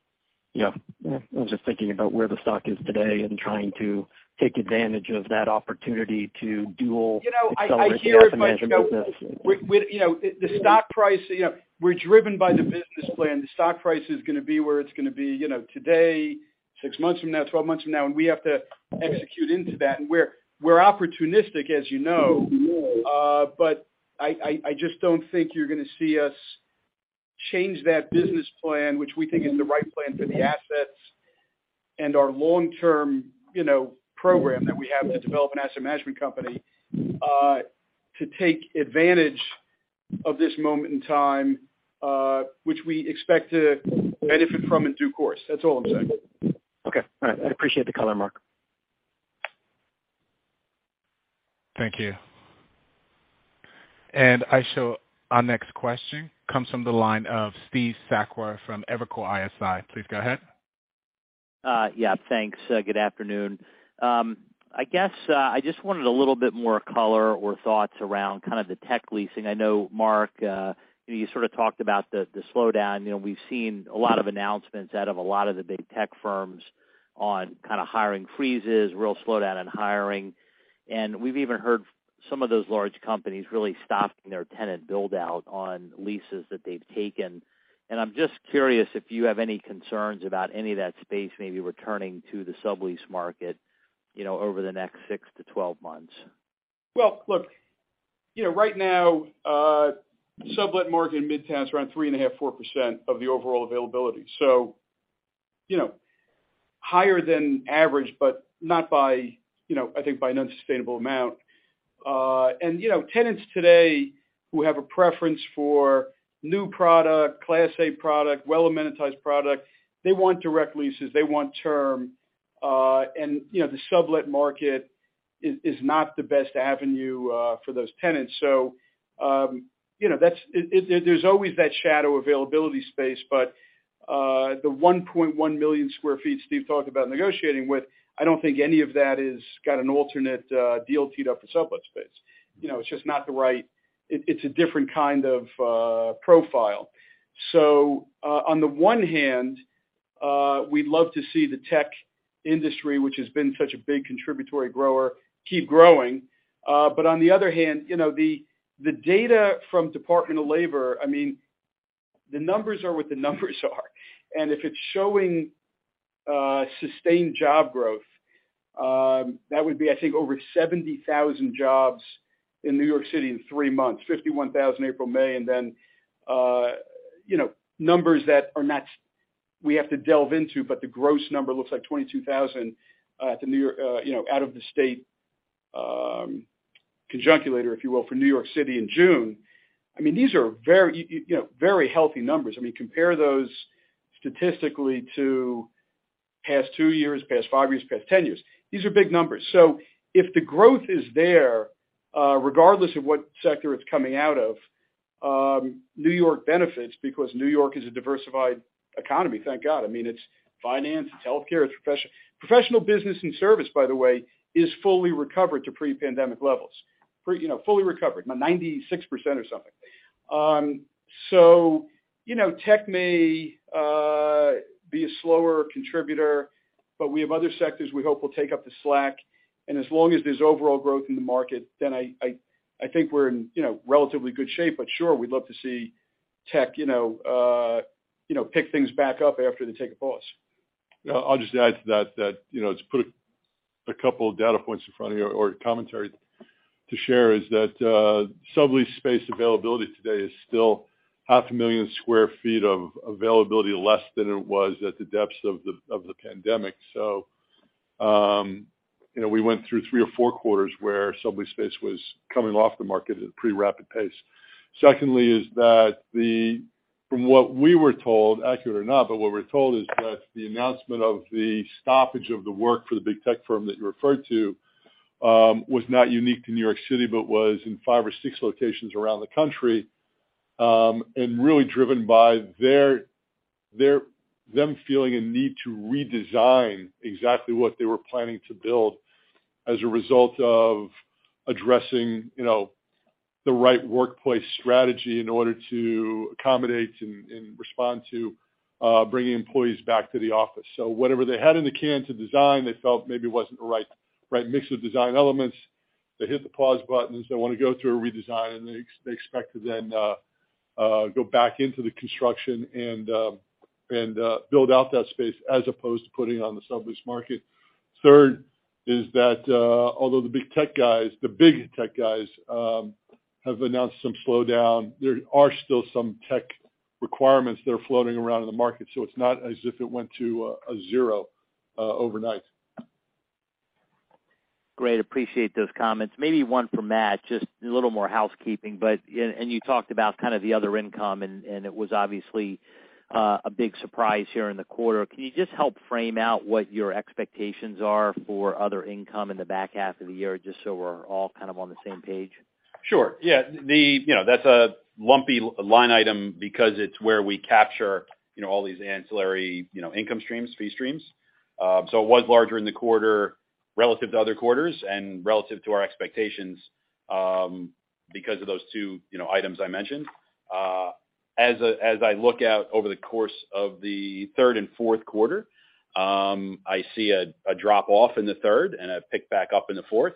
G: Yeah. I'm just thinking about where the stock is today and trying to take advantage of that opportunity to dual-
H: You know, I hear you, Mike.
G: Accelerate the asset management business.
H: You know, we you know, the stock price, you know, we're driven by the business plan. The stock price is gonna be where it's gonna be, you know, today, 6 months from now, 12 months from now, and we have to execute into that. We're opportunistic, as you know, but I just don't think you're gonna see us change that business plan, which we think is the right plan for the assets and our long-term, you know, program that we have to develop an asset management company, to take advantage of this moment in time, which we expect to benefit from in due course. That's all I'm saying.
G: Okay. All right. I appreciate the color, Marc.
A: Thank you. Our next question comes from the line of Steve Sakwa from Evercore ISI. Please go ahead.
I: Yeah. Thanks. Good afternoon. I guess I just wanted a little bit more color or thoughts around kind of the tech leasing. I know, Marc, you sort of talked about the slowdown. You know, we've seen a lot of announcements out of a lot of the big tech firms on kind of hiring freezes, real slowdown in hiring. We've even heard some of those large companies really stopping their tenant build out on leases that they've taken. I'm just curious if you have any concerns about any of that space maybe returning to the sublease market, you know, over the next 6-12 months.
B: Well, look, you know, right now, sublet market in Midtown is around 3.5%-4% of the overall availability. You know, higher than average, but not by, you know, I think by an unsustainable amount. You know, tenants today who have a preference for new product, class A product, well-amenitized product, they want direct leases, they want term. You know, the sublet market is not the best avenue for those tenants. You know, that's. There's always that shadow availability space, but the 1.1 million sq ft Steve talked about negotiating with, I don't think any of that has got an alternate deal teed up for sublet space. You know, it's just not the right. It's a different kind of profile. On the one hand, we'd love to see the tech industry, which has been such a big contributory grower, keep growing. On the other hand, you know, the data from the Department of Labor, I mean, the numbers are what the numbers are. If it's showing sustained job growth, that would be, I think, over 70,000 jobs in New York City in three months, 51,000 April, May, and then, you know, numbers that are not. We have to delve into, but the gross number looks like 22,000 to New York, you know, out of the state, conjectural, if you will, for New York City in June. I mean, these are very, you know, very healthy numbers. I mean, compare those statistically to past two years, past five years, past 10 years. These are big numbers. If the growth is there, regardless of what sector it's coming out of, New York benefits because New York is a diversified economy. Thank God. I mean, it's finance, it's healthcare, it's professional business and service, by the way, is fully recovered to pre-pandemic levels, you know, fully recovered, 96% or something. You know, tech may be a slower contributor, but we have other sectors we hope will take up the slack. As long as there's overall growth in the market, then I think we're in, you know, relatively good shape. Sure, we'd love to see tech, you know, pick things back up after they take a pause.
F: I'll just add to that, you know, to put a couple of data points in front of you or commentary to share is that, sublease space availability today is still 500,000 sq ft of availability less than it was at the depths of the pandemic. You know, we went through three or four quarters where sublease space was coming off the market at a pretty rapid pace. Secondly is that from what we were told, accurate or not, but what we're told is that the announcement of the stoppage of the work for the big tech firm that you referred to was not unique to New York City, but was in five or six locations around the country and really driven by them feeling a need to redesign exactly what they were planning to build as a result of addressing, you know, the right workplace strategy in order to accommodate and respond to bringing employees back to the office. So whatever they had in the can to design, they felt maybe it wasn't the right mix of design elements. They hit the pause button, they want to go through a redesign, and they expect to then go back into the construction and build out that space as opposed to putting it on the sublease market. Third is that, although the big tech guys have announced some slowdown, there are still some tech requirements that are floating around in the market, so it's not as if it went to a zero overnight.
I: Great. Appreciate those comments. Maybe one for Matt, just a little more housekeeping. Yeah, and you talked about kind of the other income, and it was obviously a big surprise here in the quarter. Can you just help frame out what your expectations are for other income in the back half of the year, just so we're all kind of on the same page?
C: Sure. Yeah. You know, that's a lumpy line item because it's where we capture, you know, all these ancillary, you know, income streams, fee streams. It was larger in the quarter relative to other quarters and relative to our expectations, because of those two, you know, items I mentioned. As I look out over the course of the third and fourth quarter, I see a drop-off in the third and a pick back up in the fourth.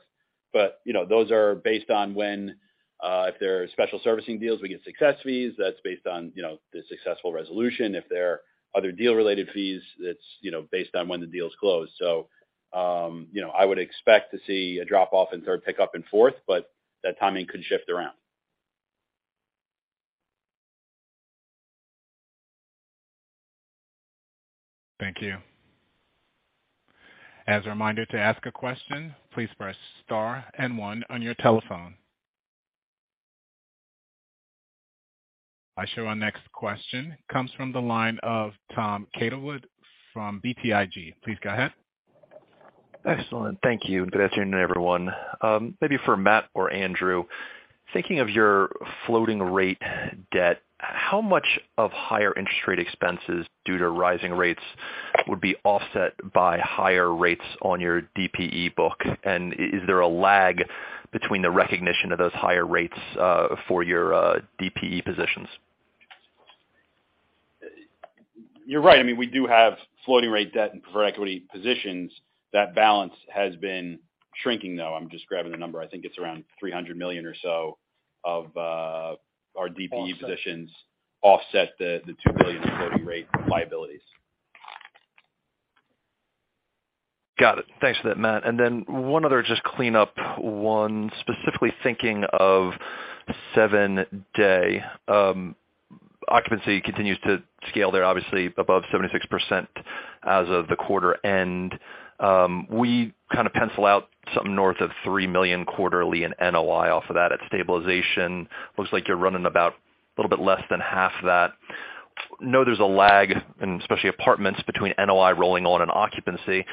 C: You know, those are based on when, if there are special servicing deals, we get success fees. That's based on, you know, the successful resolution. If there are other deal-related fees, it's, you know, based on when the deals close. You know, I would expect to see a drop-off in third, pick-up in fourth, but that timing could shift around.
A: Thank you. As a reminder to ask a question, please press star and one on your telephone. I show our next question comes from the line of Tom Catherwood from BTIG. Please go ahead.
J: Excellent. Thank you. Good afternoon, everyone. Maybe for Matt or Andrew. Thinking of your floating rate debt, how much of higher interest rate expenses due to rising rates would be offset by higher rates on your DPE book? Is there a lag between the recognition of those higher rates, for your DPE positions?
C: You're right. I mean, we do have floating rate debt and preferred equity positions. That balance has been shrinking, though. I'm just grabbing the number. I think it's around $300 million or so of our DPE positions-
J: Offset.
C: Offset the $2 billion in floating rate liabilities.
J: Got it. Thanks for that, Matt. One other just cleanup one, specifically thinking of 7 Dey Street. Occupancy continues to scale there, obviously above 76% as of the quarter end. We kind of pencil out something north of $3 million quarterly in NOI off of that. At stabilization, looks like you're running about a little bit less than half that. I know there's a lag, and especially apartments, between NOI rolling on and occupancy,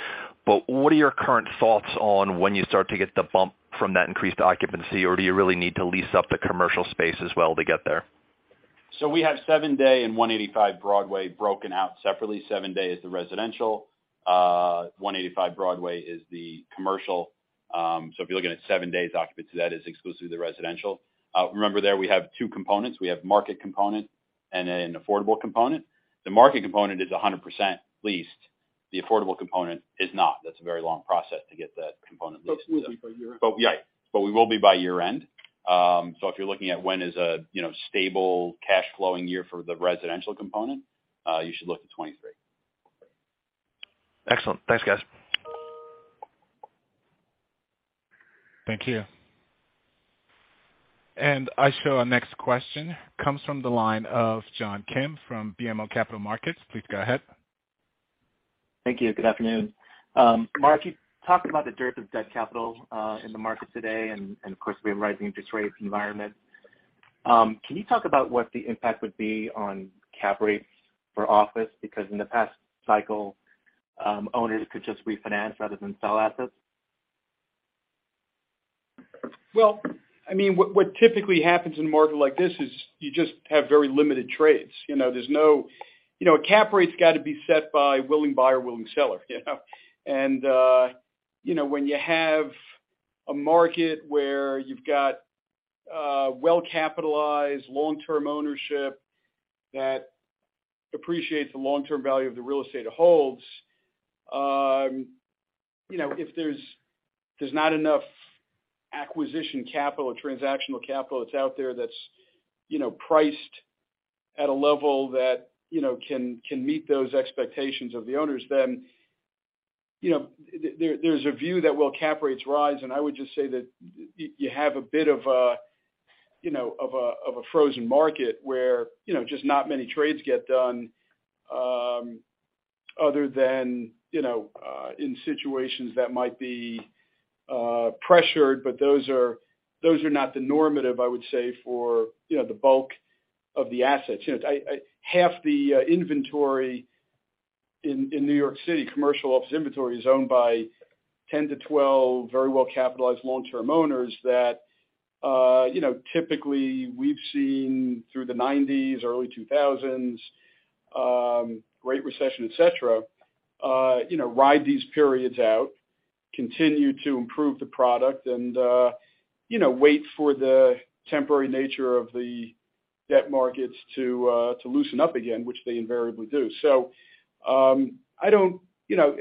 J: but what are your current thoughts on when you start to get the bump from that increased occupancy, or do you really need to lease up the commercial space as well to get there?
C: We have 7 Dey and 185 Broadway broken out separately. 7 Dey is the residential. 185 Broadway is the commercial. If you're looking at 7 Dey's occupancy, that is exclusively the residential. Remember there we have two components. We have market component and an affordable component. The market component is 100% leased. The affordable component is not. That's a very long process to get that component leased.
J: It will be by year-end.
C: We will be by year-end. If you're looking at when is a, you know, stable cash flowing year for the residential component, you should look to 2023.
J: Excellent. Thanks, guys.
A: Thank you. I show our next question comes from the line of John Kim from BMO Capital Markets. Please go ahead.
K: Thank you. Good afternoon. Marc, you talked about the dearth of debt capital in the market today, and of course, we have a rising interest rate environment. Can you talk about what the impact would be on cap rates for office? Because in the past cycle, owners could just refinance rather than sell assets.
B: Well, I mean, what typically happens in a market like this is you just have very limited trades. You know, there's no. You know, a cap rate's got to be set by willing buyer, willing seller, you know? You know, when you have a market where you've got well-capitalized long-term ownership that appreciates the long-term value of the real estate it holds, you know, if there's not enough acquisition capital or transactional capital that's out there that's priced at a level that you know can meet those expectations of the owners, then you know there's a view that well cap rates rise, and I would just say that you have a bit of You know, of a frozen market where, you know, just not many trades get done, other than, you know, in situations that might be pressured, but those are not the normative, I would say for, you know, the bulk of the assets. You know, half the inventory in New York City, commercial office inventory is owned by 10-12 very well-capitalized long-term owners that, you know, typically we've seen through the 1990s, early 2000s, Great Recession, et cetera, you know, ride these periods out, continue to improve the product and, you know, wait for the temporary nature of the debt markets to loosen up again, which they invariably do. I don't, you know.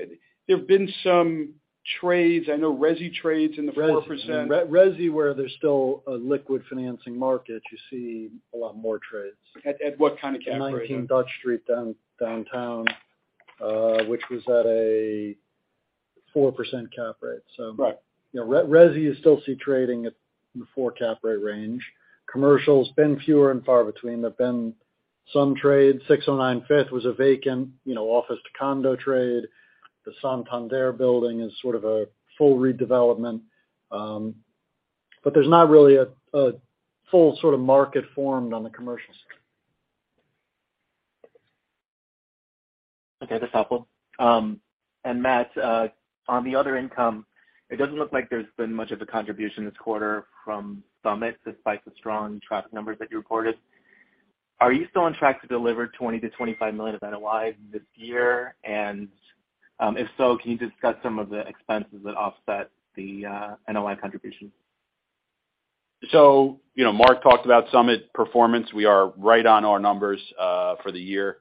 B: There have been some trades. I know resi trades in the 4%
L: Resi where there's still a liquid financing market, you see a lot more trades.
B: At what kind of cap rate?
L: 19 Dutch Street downtown, which was at a 4% cap rate.
B: Right.
L: You know, resi, you still see trading at the 4 cap rate range. Commercial's been few and far between. There've been some trades. 609 Fifth was a vacant, you know, office to condo trade. The Santander building is sort of a full redevelopment. There's not really a full sort of market formed on the commercial side.
K: Okay, that's helpful. Matt, on the other income, it doesn't look like there's been much of a contribution this quarter from SUMMIT despite the strong traffic numbers that you reported. Are you still on track to deliver $20 million-$25 million of NOI this year? If so, can you discuss some of the expenses that offset the NOI contribution?
C: You know, Marc talked about SUMMIT performance. We are right on our numbers for the year. You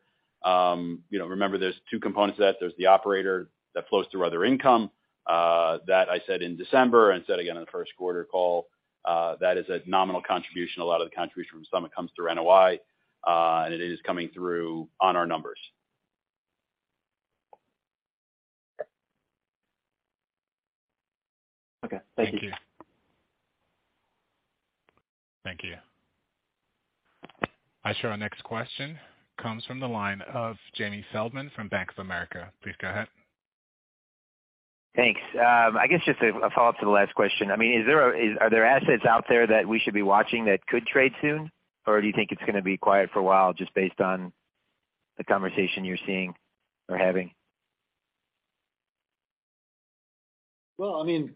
C: know, remember there's two components to that. There's the operator that flows through other income that I said in December and said again in the first quarter call that is a nominal contribution. A lot of the contribution from SUMMIT comes through NOI, and it is coming through on our numbers.
K: Okay. Thank you.
L: Thank you.
A: Thank you. I show our next question comes from the line of Jamie Feldman from Bank of America. Please go ahead.
E: Thanks. I guess just a follow-up to the last question. I mean, are there assets out there that we should be watching that could trade soon? Or do you think it's gonna be quiet for a while just based on the conversation you're seeing or having?
L: Well, I mean,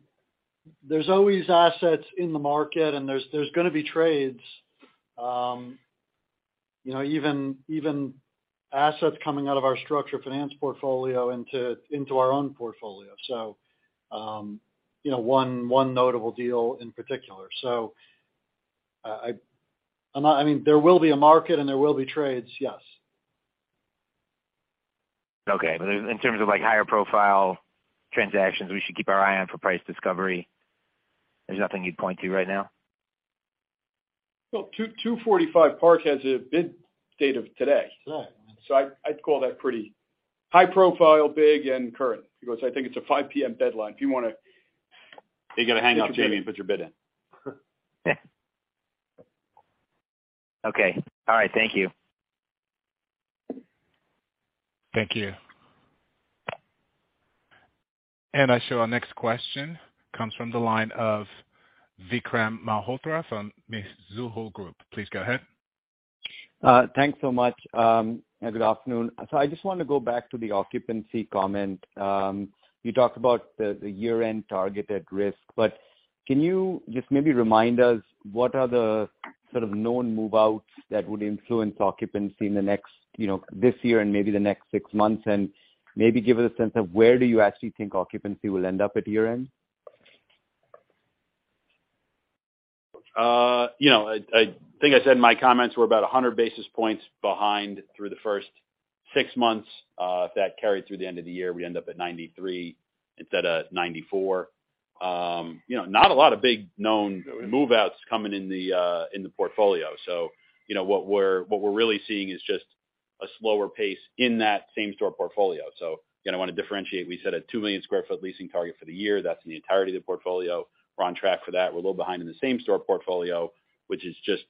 L: there's always assets in the market, and there's gonna be trades, you know, even assets coming out of our structured finance portfolio into our own portfolio. I mean, one notable deal in particular. There will be a market and there will be trades, yes.
E: Okay. In terms of like higher profile transactions we should keep our eye on for price discovery, there's nothing you'd point to right now?
B: Well, 245 Park Avenue has a bid date of today.
L: Today.
B: I'd call that pretty high profile, big, and current, because I think it's a 5:00 P.M. deadline. If you wanna
C: You gotta hang up, Jamie, and put your bid in.
E: Okay. All right. Thank you.
A: Thank you. Our next question comes from the line of Vikram Malhotra from Mizuho Group. Please go ahead.
M: Thanks so much, and good afternoon. I just want to go back to the occupancy comment. You talked about the year-end target at risk, but can you just maybe remind us what are the sort of known move-outs that would influence occupancy in the next, you know, this year and maybe the next six months? Maybe give us a sense of where do you actually think occupancy will end up at year-end?
C: You know, I think I said in my comments we're about 100 basis points behind through the first 6 months. If that carried through the end of the year, we end up at 93 instead of 94. You know, not a lot of big known move-outs coming in the portfolio. What we're really seeing is just a slower pace in that same store portfolio. Again, I wanna differentiate, we set a 2 million sq ft leasing target for the year. That's in the entirety of the portfolio. We're on track for that. We're a little behind in the same store portfolio, which is just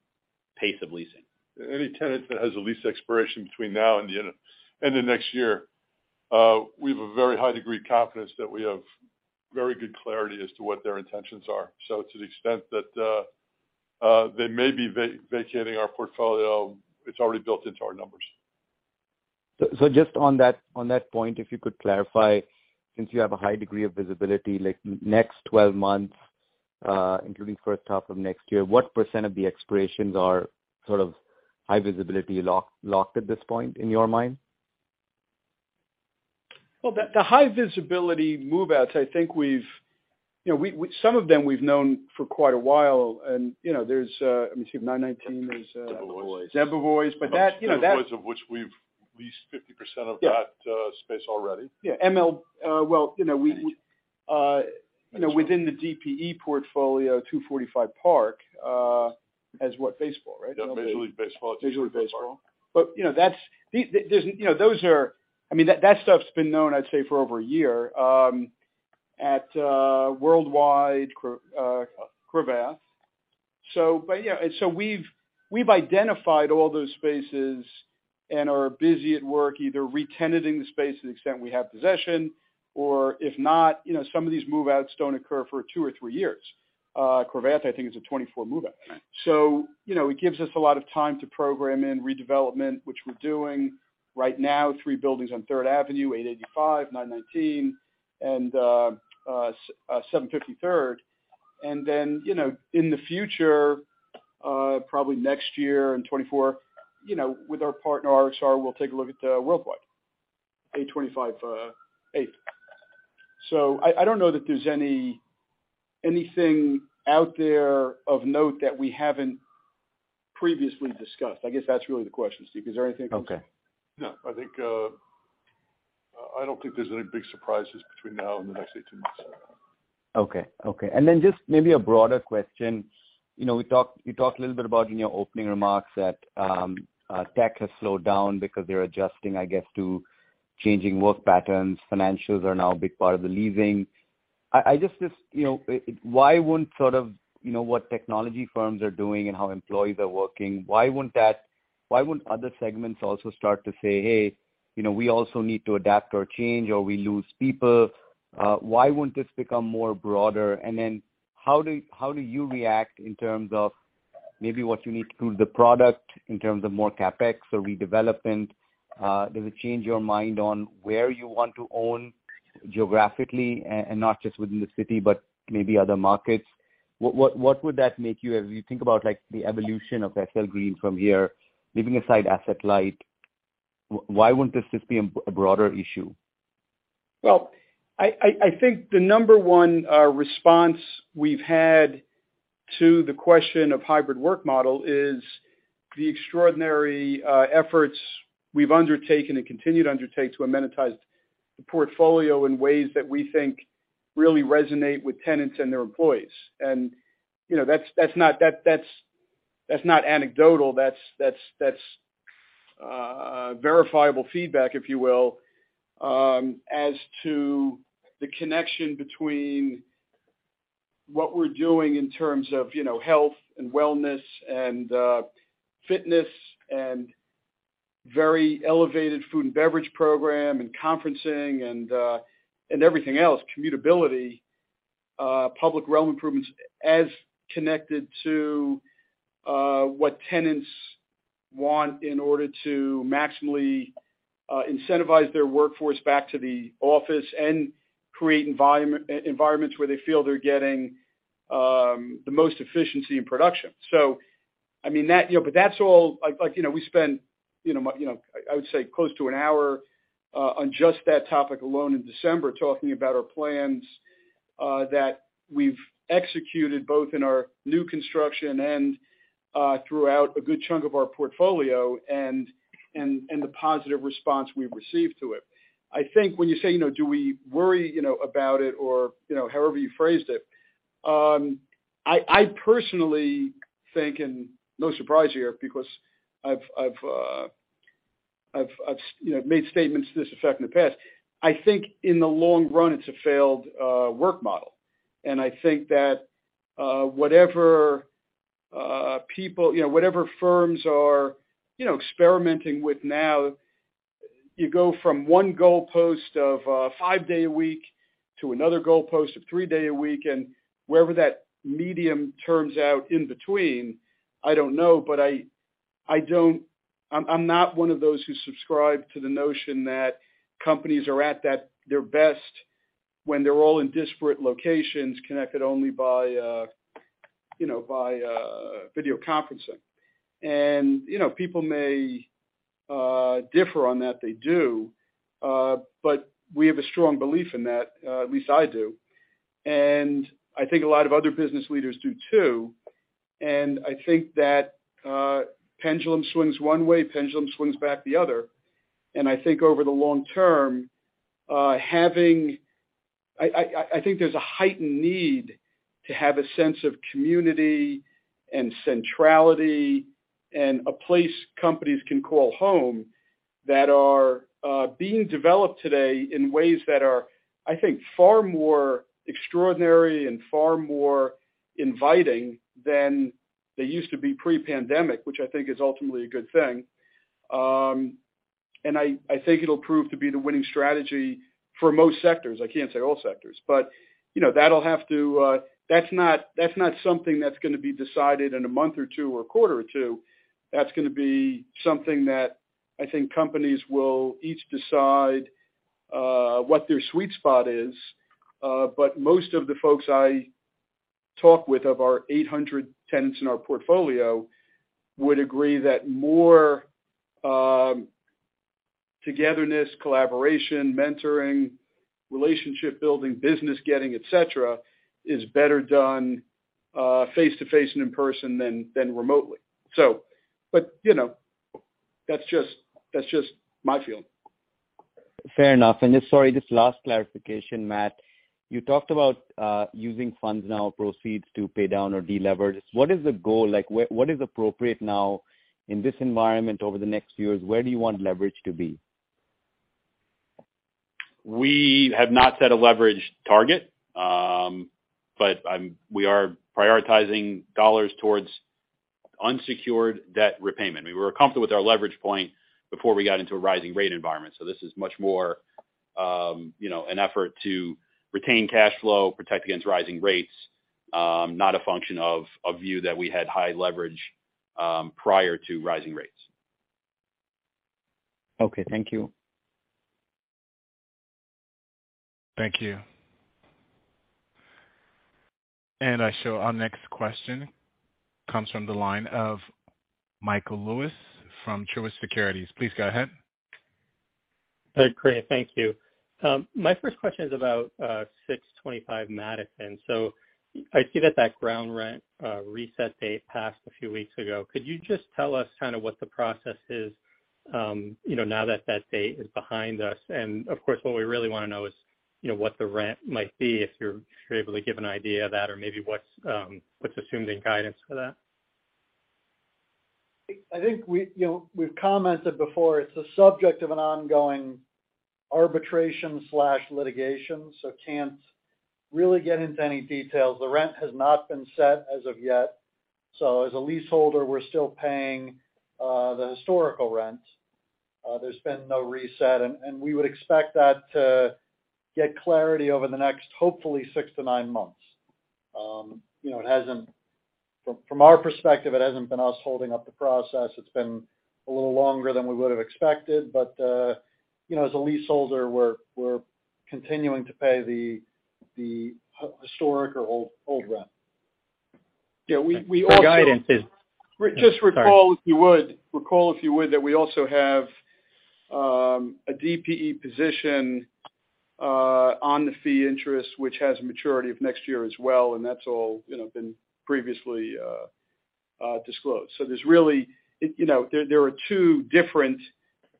C: pace of leasing.
B: Any tenant that has a lease expiration between now and the end of next year, we have a very high degree of confidence that we have very good clarity as to what their intentions are. To the extent that they may be vacating our portfolio, it's already built into our numbers.
M: Just on that point, if you could clarify, since you have a high degree of visibility, like next 12 months, including first half of next year, what % of the expirations are sort of high visibility locked at this point in your mind?
B: Well, the high visibility move-outs. You know, some of them we've known for quite a while and, you know, there's, I mean, so you have 919, there's
C: Debevoise.
B: Debevoise. But that, you know, that-
L: Debevoise's, of which we've leased 50% of that space already.
B: Yeah, MLB, well, you know, we you know, within the DPE portfolio, 245 Park has what? Baseball, right?
L: Yeah. Major League Baseball at 245 Park.
B: Major League Baseball. You know, that's. There's, you know, those are. I mean, that stuff's been known, I'd say, for over a year. At Worldwide Plaza, Cravath. We've identified all those spaces and are busy at work, either re-tenanting the space to the extent we have possession, or if not, you know, some of these move-outs don't occur for two or three years. Cravath, I think, is a 2024 move-out. You know, it gives us a lot of time to program in redevelopment, which we're doing right now, three buildings on Third Avenue, 885, 919, and 750 Third. Then, you know, in the future, probably next year in 2024, you know, with our partner RXR, we'll take a look at Worldwide Plaza, 825 Eighth. I don't know that there's anything out there of note that we haven't previously discussed. I guess that's really the question, Steve. Is there anything-
M: Okay.
B: No, I think, I don't think there's any big surprises between now and the next 18 months.
M: Okay. Just maybe a broader question. You know, we talked a little bit about in your opening remarks that tech has slowed down because they're adjusting, I guess, to changing work patterns. Financials are now a big part of the leasing. I just, you know, why wouldn't sort of, you know, what technology firms are doing and how employees are working, why wouldn't that, why wouldn't other segments also start to say, "Hey, you know, we also need to adapt or change, or we lose people." Why wouldn't this become more broader? How do you react in terms of maybe what you need to do with the product, in terms of more CapEx or redevelopment? Does it change your mind on where you want to own geographically and not just within the city, but maybe other markets? What would that make you as you think about, like, the evolution of SL Green from here, leaving aside asset light, why wouldn't this just be a broader issue?
B: Well, I think the number one response we've had to the question of hybrid work model is the extraordinary efforts we've undertaken and continue to undertake to amenitize the portfolio in ways that we think really resonate with tenants and their employees. You know, that's not verifiable feedback, if you will, as to the connection between what we're doing in terms of, you know, health and wellness and fitness and very elevated food and beverage program and conferencing and everything else, commutability, public realm improvements, as connected to what tenants want in order to maximally incentivize their workforce back to the office and create environments where they feel they're getting the most efficiency in production. I mean, that. You know, that's all. Like, you know, we spent, you know, I would say close to an hour on just that topic alone in December, talking about our plans that we've executed both in our new construction and throughout a good chunk of our portfolio and the positive response we've received to it. I think when you say, you know, do we worry, you know, about it or, you know, however you phrased it, I personally think, and no surprise here, because I've, you know, made statements to this effect in the past, I think in the long run it's a failed work model. I think that whatever people You know, whatever firms are, you know, experimenting with now, you go from one goalpost of five days a week to another goalpost of three days a week, and wherever that medium turns out in between, I don't know. I don't. I'm not one of those who subscribe to the notion that companies are at their best when they're all in disparate locations, connected only by, you know, by video conferencing. You know, people may differ on that, they do, but we have a strong belief in that, at least I do, and I think a lot of other business leaders do too. I think that pendulum swings one way, pendulum swings back the other. I think over the long term, having. I think there's a heightened need to have a sense of community and centrality and a place companies can call home that are being developed today in ways that are, I think, far more extraordinary and far more inviting than they used to be pre-pandemic, which I think is ultimately a good thing. I think it'll prove to be the winning strategy for most sectors. I can't say all sectors. You know, that'll have to. That's not something that's gonna be decided in a month or two or a quarter or two. That's gonna be something that I think companies will each decide what their sweet spot is. Most of the folks I talk with of our 800 tenants in our portfolio would agree that more togetherness, collaboration, mentoring, relationship building, business getting, et cetera, is better done face-to-face and in person than remotely. You know, that's just my feeling.
M: Fair enough. Sorry, just last clarification, Matt. You talked about using funds now, proceeds to pay down or deleverage. What is the goal? Like, what is appropriate now in this environment over the next few years? Where do you want leverage to be?
C: We have not set a leverage target, but we are prioritizing dollars towards unsecured debt repayment. I mean, we were comfortable with our leverage point before we got into a rising rate environment. This is much more, you know, an effort to retain cash flow, protect against rising rates, not a function of view that we had high leverage, prior to rising rates.
M: Okay, thank you.
A: Thank you. I show our next question comes from the line of Michael Lewis from Truist Securities. Please go ahead.
N: Great. Thank you. My first question is about 625 Madison. I see that that ground rent reset date passed a few weeks ago. Could you just tell us kind of what the process is, you know, now that that date is behind us, and of course, what we really wanna know is, you know, what the rent might be, if you're able to give an idea of that or maybe what's assumed in guidance for that.
L: I think we, you know, we've commented before, it's the subject of an ongoing arbitration slash litigation, so can't really get into any details. The rent has not been set as of yet. As a leaseholder, we're still paying the historical rent. There's been no reset, and we would expect that to get clarity over the next, hopefully six to nine months. You know, it hasn't. From our perspective, it hasn't been us holding up the process. It's been a little longer than we would have expected, but you know, as a leaseholder, we're continuing to pay the historic or old rent.
N: Yeah. We also.
L: Just recall if you would that we also have a DPE position on the fee interest, which has a maturity of next year as well, and that's all you know been previously disclosed. There's really you know there are two different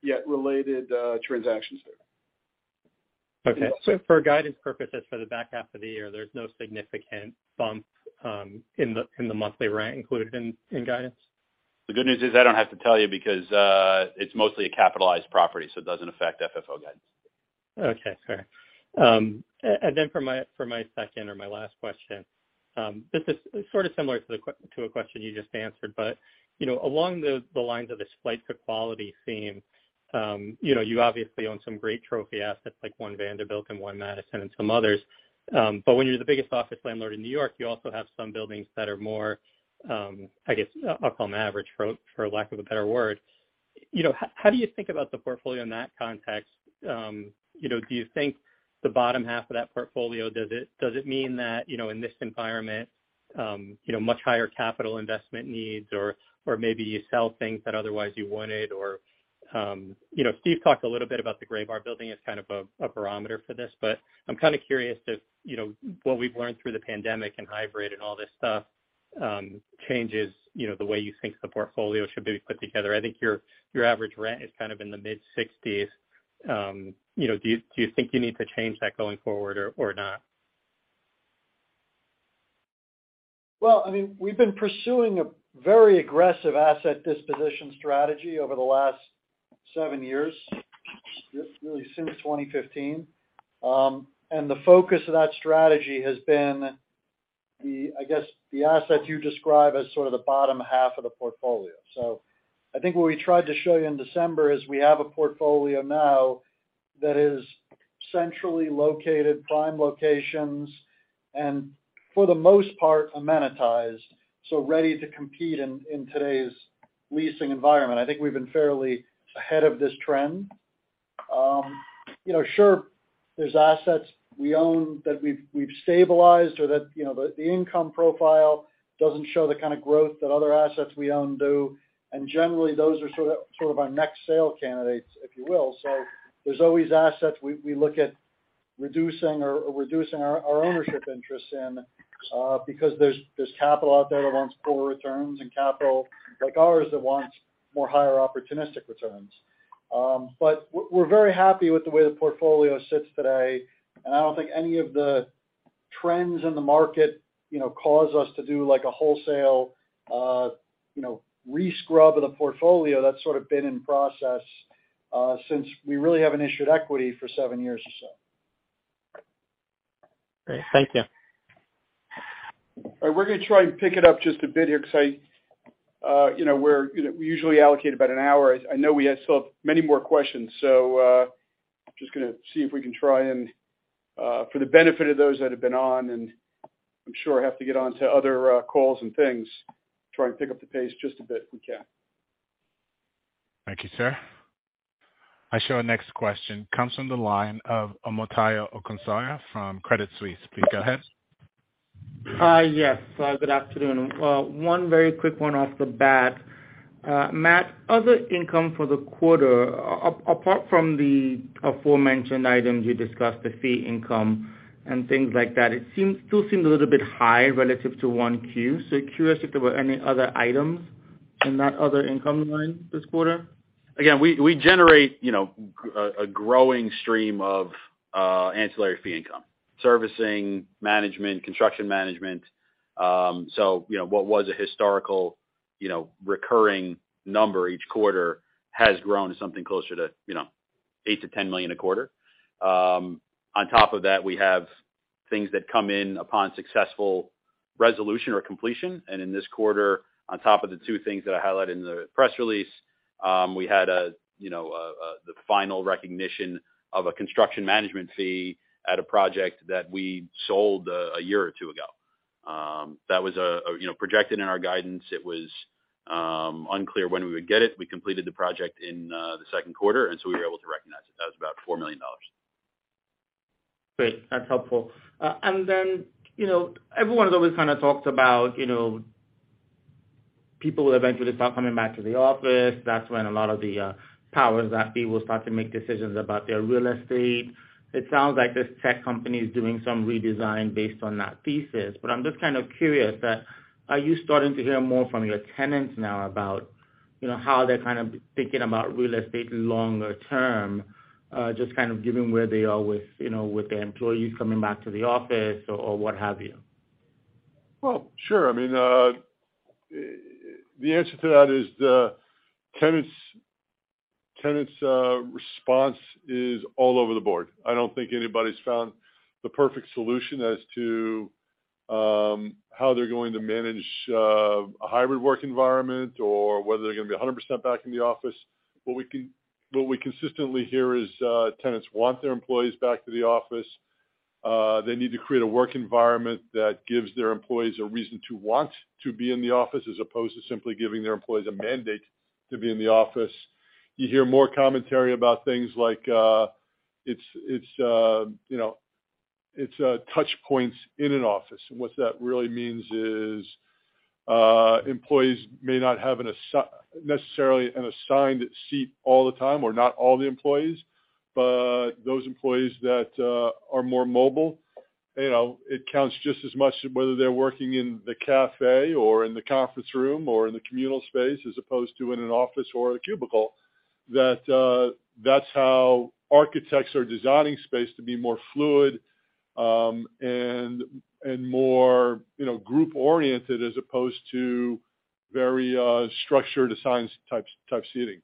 L: yet related transactions there.
N: For guidance purposes for the back half of the year, there's no significant bump in the monthly rent included in guidance.
C: The good news is I don't have to tell you because it's mostly a capitalized property, so it doesn't affect FFO guidance.
N: Okay, fair. And then for my second or my last question, this is sort of similar to a question you just answered. You know, along the lines of this flight to quality theme, you know, you obviously own some great trophy assets like One Vanderbilt and One Madison and some others. But when you're the biggest office landlord in New York, you also have some buildings that are more, I guess, up on average, for lack of a better word. You know, how do you think about the portfolio in that context? You know, do you think the bottom half of that portfolio, does it mean that, you know, in this environment, you know, much higher capital investment needs or maybe you sell things that otherwise you wanted or? You know, Steve talked a little bit about the Graybar Building as kind of a barometer for this. I'm kinda curious if, you know, what we've learned through the pandemic and hybrid and all this stuff changes, you know, the way you think the portfolio should be put together. I think your average rent is kind of in the mid-sixties. You know, do you think you need to change that going forward or not?
L: Well, I mean, we've been pursuing a very aggressive asset disposition strategy over the last seven years, really since 2015. The focus of that strategy has been the assets you describe as sort of the bottom half of the portfolio. I think what we tried to show you in December is we have a portfolio now that is centrally located, prime locations, and for the most part, amenitized, so ready to compete in today's leasing environment. I think we've been fairly ahead of this trend. You know, sure, there's assets we own that we've stabilized or that you know, the income profile doesn't show the kinda growth that other assets we own do. Generally, those are sort of our next sale candidates, if you will. There's always assets we look at reducing or reducing our ownership interest in, because there's capital out there that wants poor returns and capital like ours that wants more higher opportunistic returns. We're very happy with the way the portfolio sits today, and I don't think any of the trends in the market, you know, cause us to do like a wholesale, you know, re-scrub of the portfolio that's sort of been in process, since we really haven't issued equity for seven years or so.
N: Great. Thank you.
L: All right, we're gonna try and pick it up just a bit here because I, you know, we usually allocate about an hour. I know we still have many more questions, so just gonna see if we can try and, for the benefit of those that have been on, and I'm sure have to get on to other, calls and things, try and pick up the pace just a bit if we can.
A: Thank you, sir. I show our next question comes from the line of Omotayo Okusanya from Credit Suisse. Please go ahead.
O: Yes. Good afternoon. One very quick one off the bat. Matt, other income for the quarter, apart from the aforementioned items you discussed, the fee income and things like that, it still seems a little bit high relative to 1Q. Curious if there were any other items in that other income line this quarter.
C: Again, we generate, you know, a growing stream of ancillary fee income, servicing, management, construction management. So, you know, what was a historical recurring number each quarter has grown to something closer to, you know, $8 million-$10 million a quarter. On top of that, we have things that come in upon successful resolution or completion. In this quarter, on top of the two things that I highlighted in the press release, we had the final recognition of a construction management fee at a project that we sold a year or two ago. That was projected in our guidance. It was unclear when we would get it. We completed the project in the Q2, and so we were able to recognize it. That was about $4 million.
O: Great. That's helpful. Then, you know, everyone's always kind of talked about, you know, people will eventually start coming back to the office. That's when a lot of the powers that be will start to make decisions about their real estate. It sounds like this tech company is doing some redesign based on that thesis. I'm just kind of curious that, are you starting to hear more from your tenants now about, you know, how they're kind of thinking about real estate longer term, just kind of given where they are with, you know, with their employees coming back to the office or what have you?
F: Well, sure. I mean, the answer to that is the tenants' response is all over the board. I don't think anybody's found the perfect solution as to how they're going to manage a hybrid work environment or whether they're gonna be 100% back in the office. What we consistently hear is tenants want their employees back to the office. They need to create a work environment that gives their employees a reason to want to be in the office, as opposed to simply giving their employees a mandate to be in the office. You hear more commentary about things like it's, you know, it's touch points in an office. What that really means is, employees may not have necessarily an assigned seat all the time, or not all the employees, but those employees that are more mobile, you know, it counts just as much whether they're working in the cafe or in the conference room or in the communal space, as opposed to in an office or a cubicle, that that's how architects are designing space to be more fluid, and more, you know, group-oriented, as opposed to very structured assigned type seating.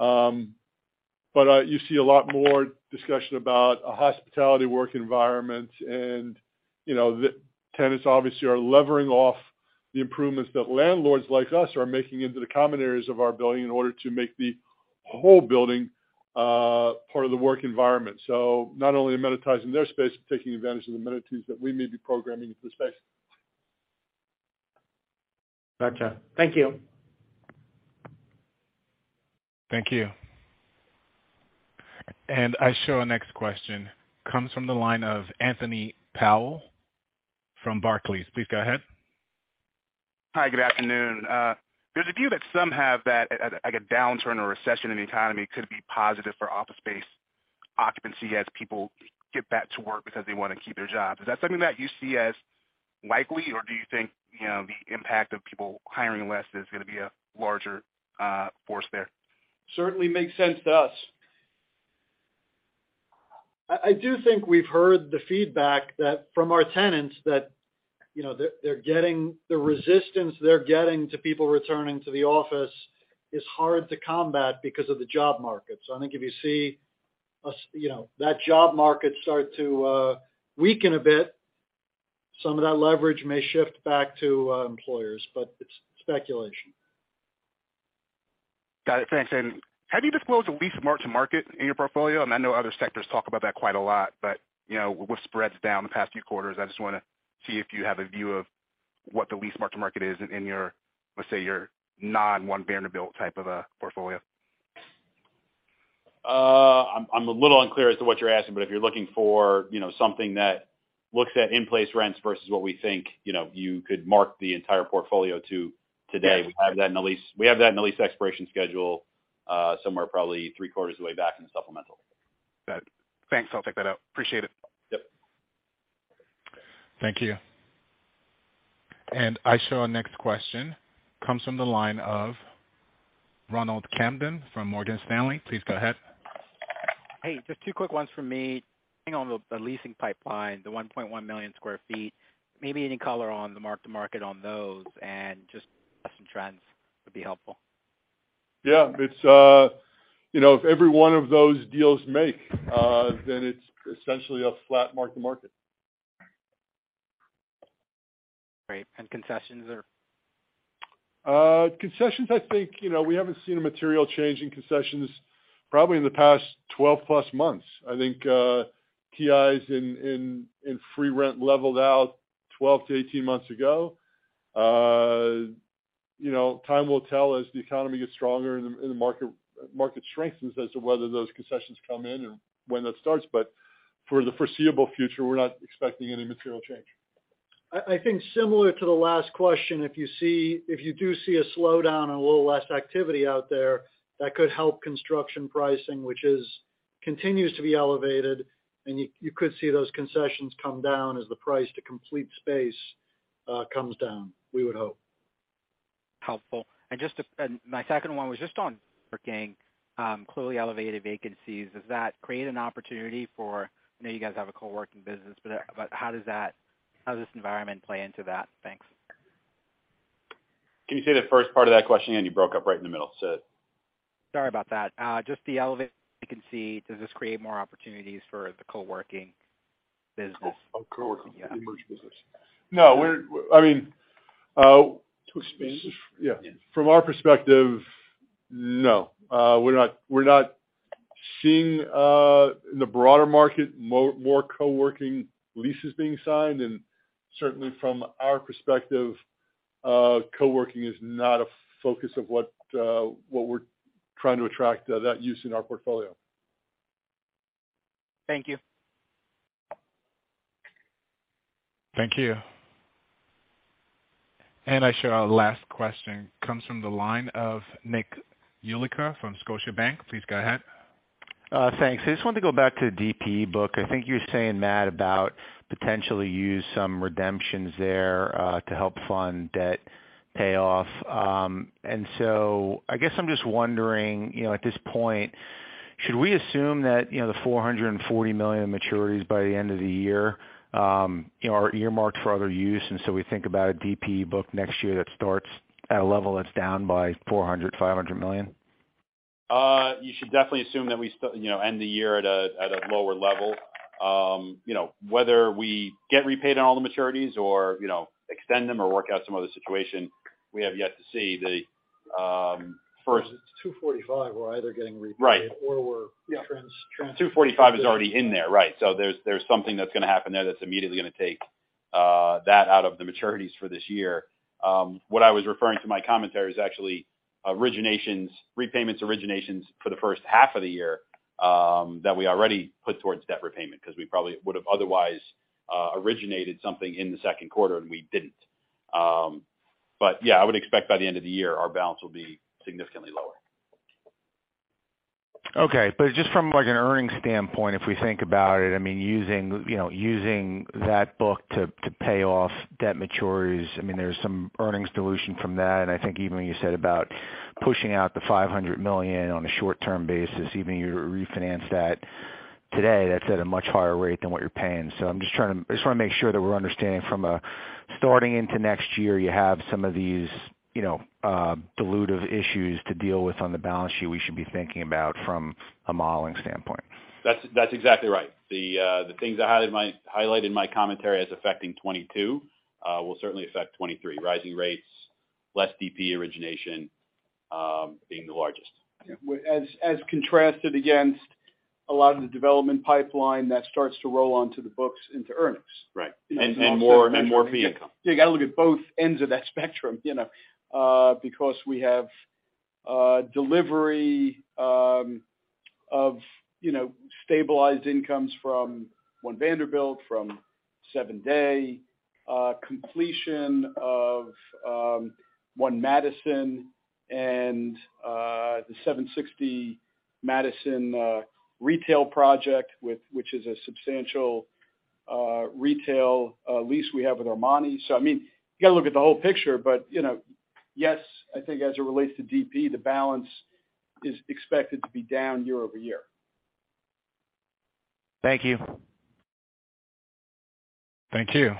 F: You see a lot more discussion about a hospitality work environment. You know, the tenants obviously are leveraging the improvements that landlords like us are making into the common areas of our building in order to make the whole building part of the work environment. Not only monetizing their space, but taking advantage of the amenities that we may be programming into the space.
O: Gotcha. Thank you.
A: Thank you. I show our next question comes from the line of Anthony Powell from Barclays. Please go ahead.
P: Hi, good afternoon. There's a view that some have that like a downturn or recession in the economy could be positive for office space occupancy as people get back to work because they wanna keep their jobs. Is that something that you see as likely, or do you think, you know, the impact of people hiring less is gonna be a larger force there?
L: Certainly makes sense to us. I do think we've heard the feedback from our tenants that, you know, they're getting the resistance they're getting to people returning to the office is hard to combat because of the job market. I think if you see the job market start to weaken a bit, some of that leverage may shift back to employers. It's speculation.
P: Got it. Thanks. Have you disclosed a lease mark-to-market in your portfolio? I mean, I know other sectors talk about that quite a lot, but, you know, with spreads down in the past few quarters, I just wanna see if you have a view of what the lease mark-to-market is in your, let's say, your non-One Vanderbilt type of a portfolio.
C: I'm a little unclear as to what you're asking, but if you're looking for, you know, something that looks at in-place rents versus what we think, you know, you could mark the entire portfolio to today.
P: Yes.
C: We have that in the lease expiration schedule, somewhere probably three-quarters of the way back in the supplemental.
P: Got it. Thanks. I'll check that out. Appreciate it.
C: Yep.
A: Thank you. Our next question comes from the line of Ronald Kamdem from Morgan Stanley. Please go ahead.
Q: Hey, just two quick ones from me. On the leasing pipeline, the 1.1 million sq ft, maybe any color on the mark-to-market on those, and just recent trends would be helpful.
F: Yeah. It's, you know, if every one of those deals make, then it's essentially a flat mark-to-market.
Q: Great. Concessions are?
F: Concessions, I think, you know, we haven't seen a material change in concessions probably in the past 12+ months. I think, TIs in free rent leveled out 12-18 months ago. You know, time will tell as the economy gets stronger and the market strengthens as to whether those concessions come in and when that starts. For the foreseeable future, we're not expecting any material change.
L: I think similar to the last question, if you do see a slowdown and a little less activity out there, that could help construction pricing, which continues to be elevated, and you could see those concessions come down as the price to complete space comes down, we would hope.
Q: Helpful. My second one was just on working with clearly elevated vacancies. Does that create an opportunity for? I know you guys have a co-working business, but how does this environment play into that? Thanks.
C: Can you say the first part of that question again? You broke up right in the middle.
Q: Sorry about that. Just the elevated vacancy, does this create more opportunities for the co-working business?
B: Oh, co-working.
Q: Yeah.
B: Emerged business. No, I mean
Q: To expand?
B: Yeah. From our perspective, no. We're not seeing, in the broader market, more co-working leases being signed. Certainly from our perspective, co-working is not a focus of what we're trying to attract that use in our portfolio.
Q: Thank you.
A: Thank you. I show our last question comes from the line of Nicholas Yulico from Scotiabank. Please go ahead.
R: Thanks. I just wanted to go back to the DP book. I think you were saying, Matt, about potentially use some redemptions there to help fund debt payoff. I guess I'm just wondering, you know, at this point, should we assume that, you know, the $440 million maturities by the end of the year, you know, are earmarked for other use, and so we think about a DP book next year that starts at a level that's down by $400 million-$500 million?
C: You should definitely assume that we still, you know, end the year at a lower level. You know, whether we get repaid on all the maturities or, you know, extend them or work out some other situation, we have yet to see.
B: It's 2:45 P.M., we're either getting repaid.
C: Right...
B: or we're trans-trans-
C: 245 is already in there, right. There's something that's gonna happen there that's immediately gonna take that out of the maturities for this year. What I was referring to in my commentary is actually repayments and originations for the first half of the year that we already put towards debt repayment because we probably would have otherwise originated something in the Q2, and we didn't. Yeah, I would expect by the end of the year, our balance will be significantly lower.
R: Okay. Just from, like, an earnings standpoint, if we think about it, I mean, using, you know, using that book to pay off debt maturities, I mean, there's some earnings dilution from that. I think even when you said about pushing out the $500 million on a short-term basis, even if you refinance that today, that's at a much higher rate than what you're paying. I just wanna make sure that we're understanding from a standpoint going into next year, you have some of these, you know, dilutive issues to deal with on the balance sheet we should be thinking about from a modeling standpoint.
C: That's exactly right. The things I highlighted in my commentary as affecting 2022 will certainly affect 2023. Rising rates, less DP origination, being the largest.
B: Contrasted against a lot of the development pipeline that starts to roll onto the books into earnings.
C: Right. More fee income.
B: You gotta look at both ends of that spectrum, you know. Because we have delivery of, you know, stabilized incomes from One Vanderbilt, from 7 Dey, completion of One Madison and the 760 Madison retail project with which is a substantial retail lease we have with Armani. I mean, you gotta look at the whole picture, but, you know, yes, I think as it relates to DPE, the balance is expected to be down year-over-year.
R: Thank you.
A: Thank you.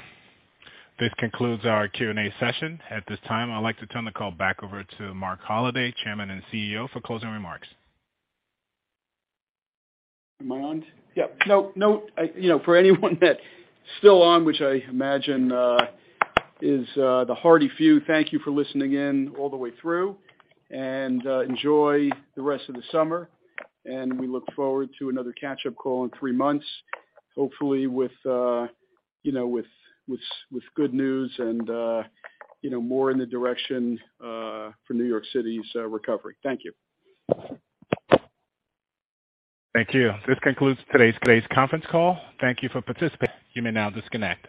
A: This concludes our Q&A session. At this time, I'd like to turn the call back over to Marc Holliday, Chairman and CEO, for closing remarks.
B: Am I on? Yeah. No, no. You know, for anyone that's still on, which I imagine is the hearty few. Thank you for listening in all the way through. Enjoy the rest of the summer, and we look forward to another catch-up call in three months, hopefully with you know, with good news and you know, more in the direction for New York City's recovery. Thank you.
A: Thank you. This concludes today's conference call. Thank you for participating. You may now disconnect.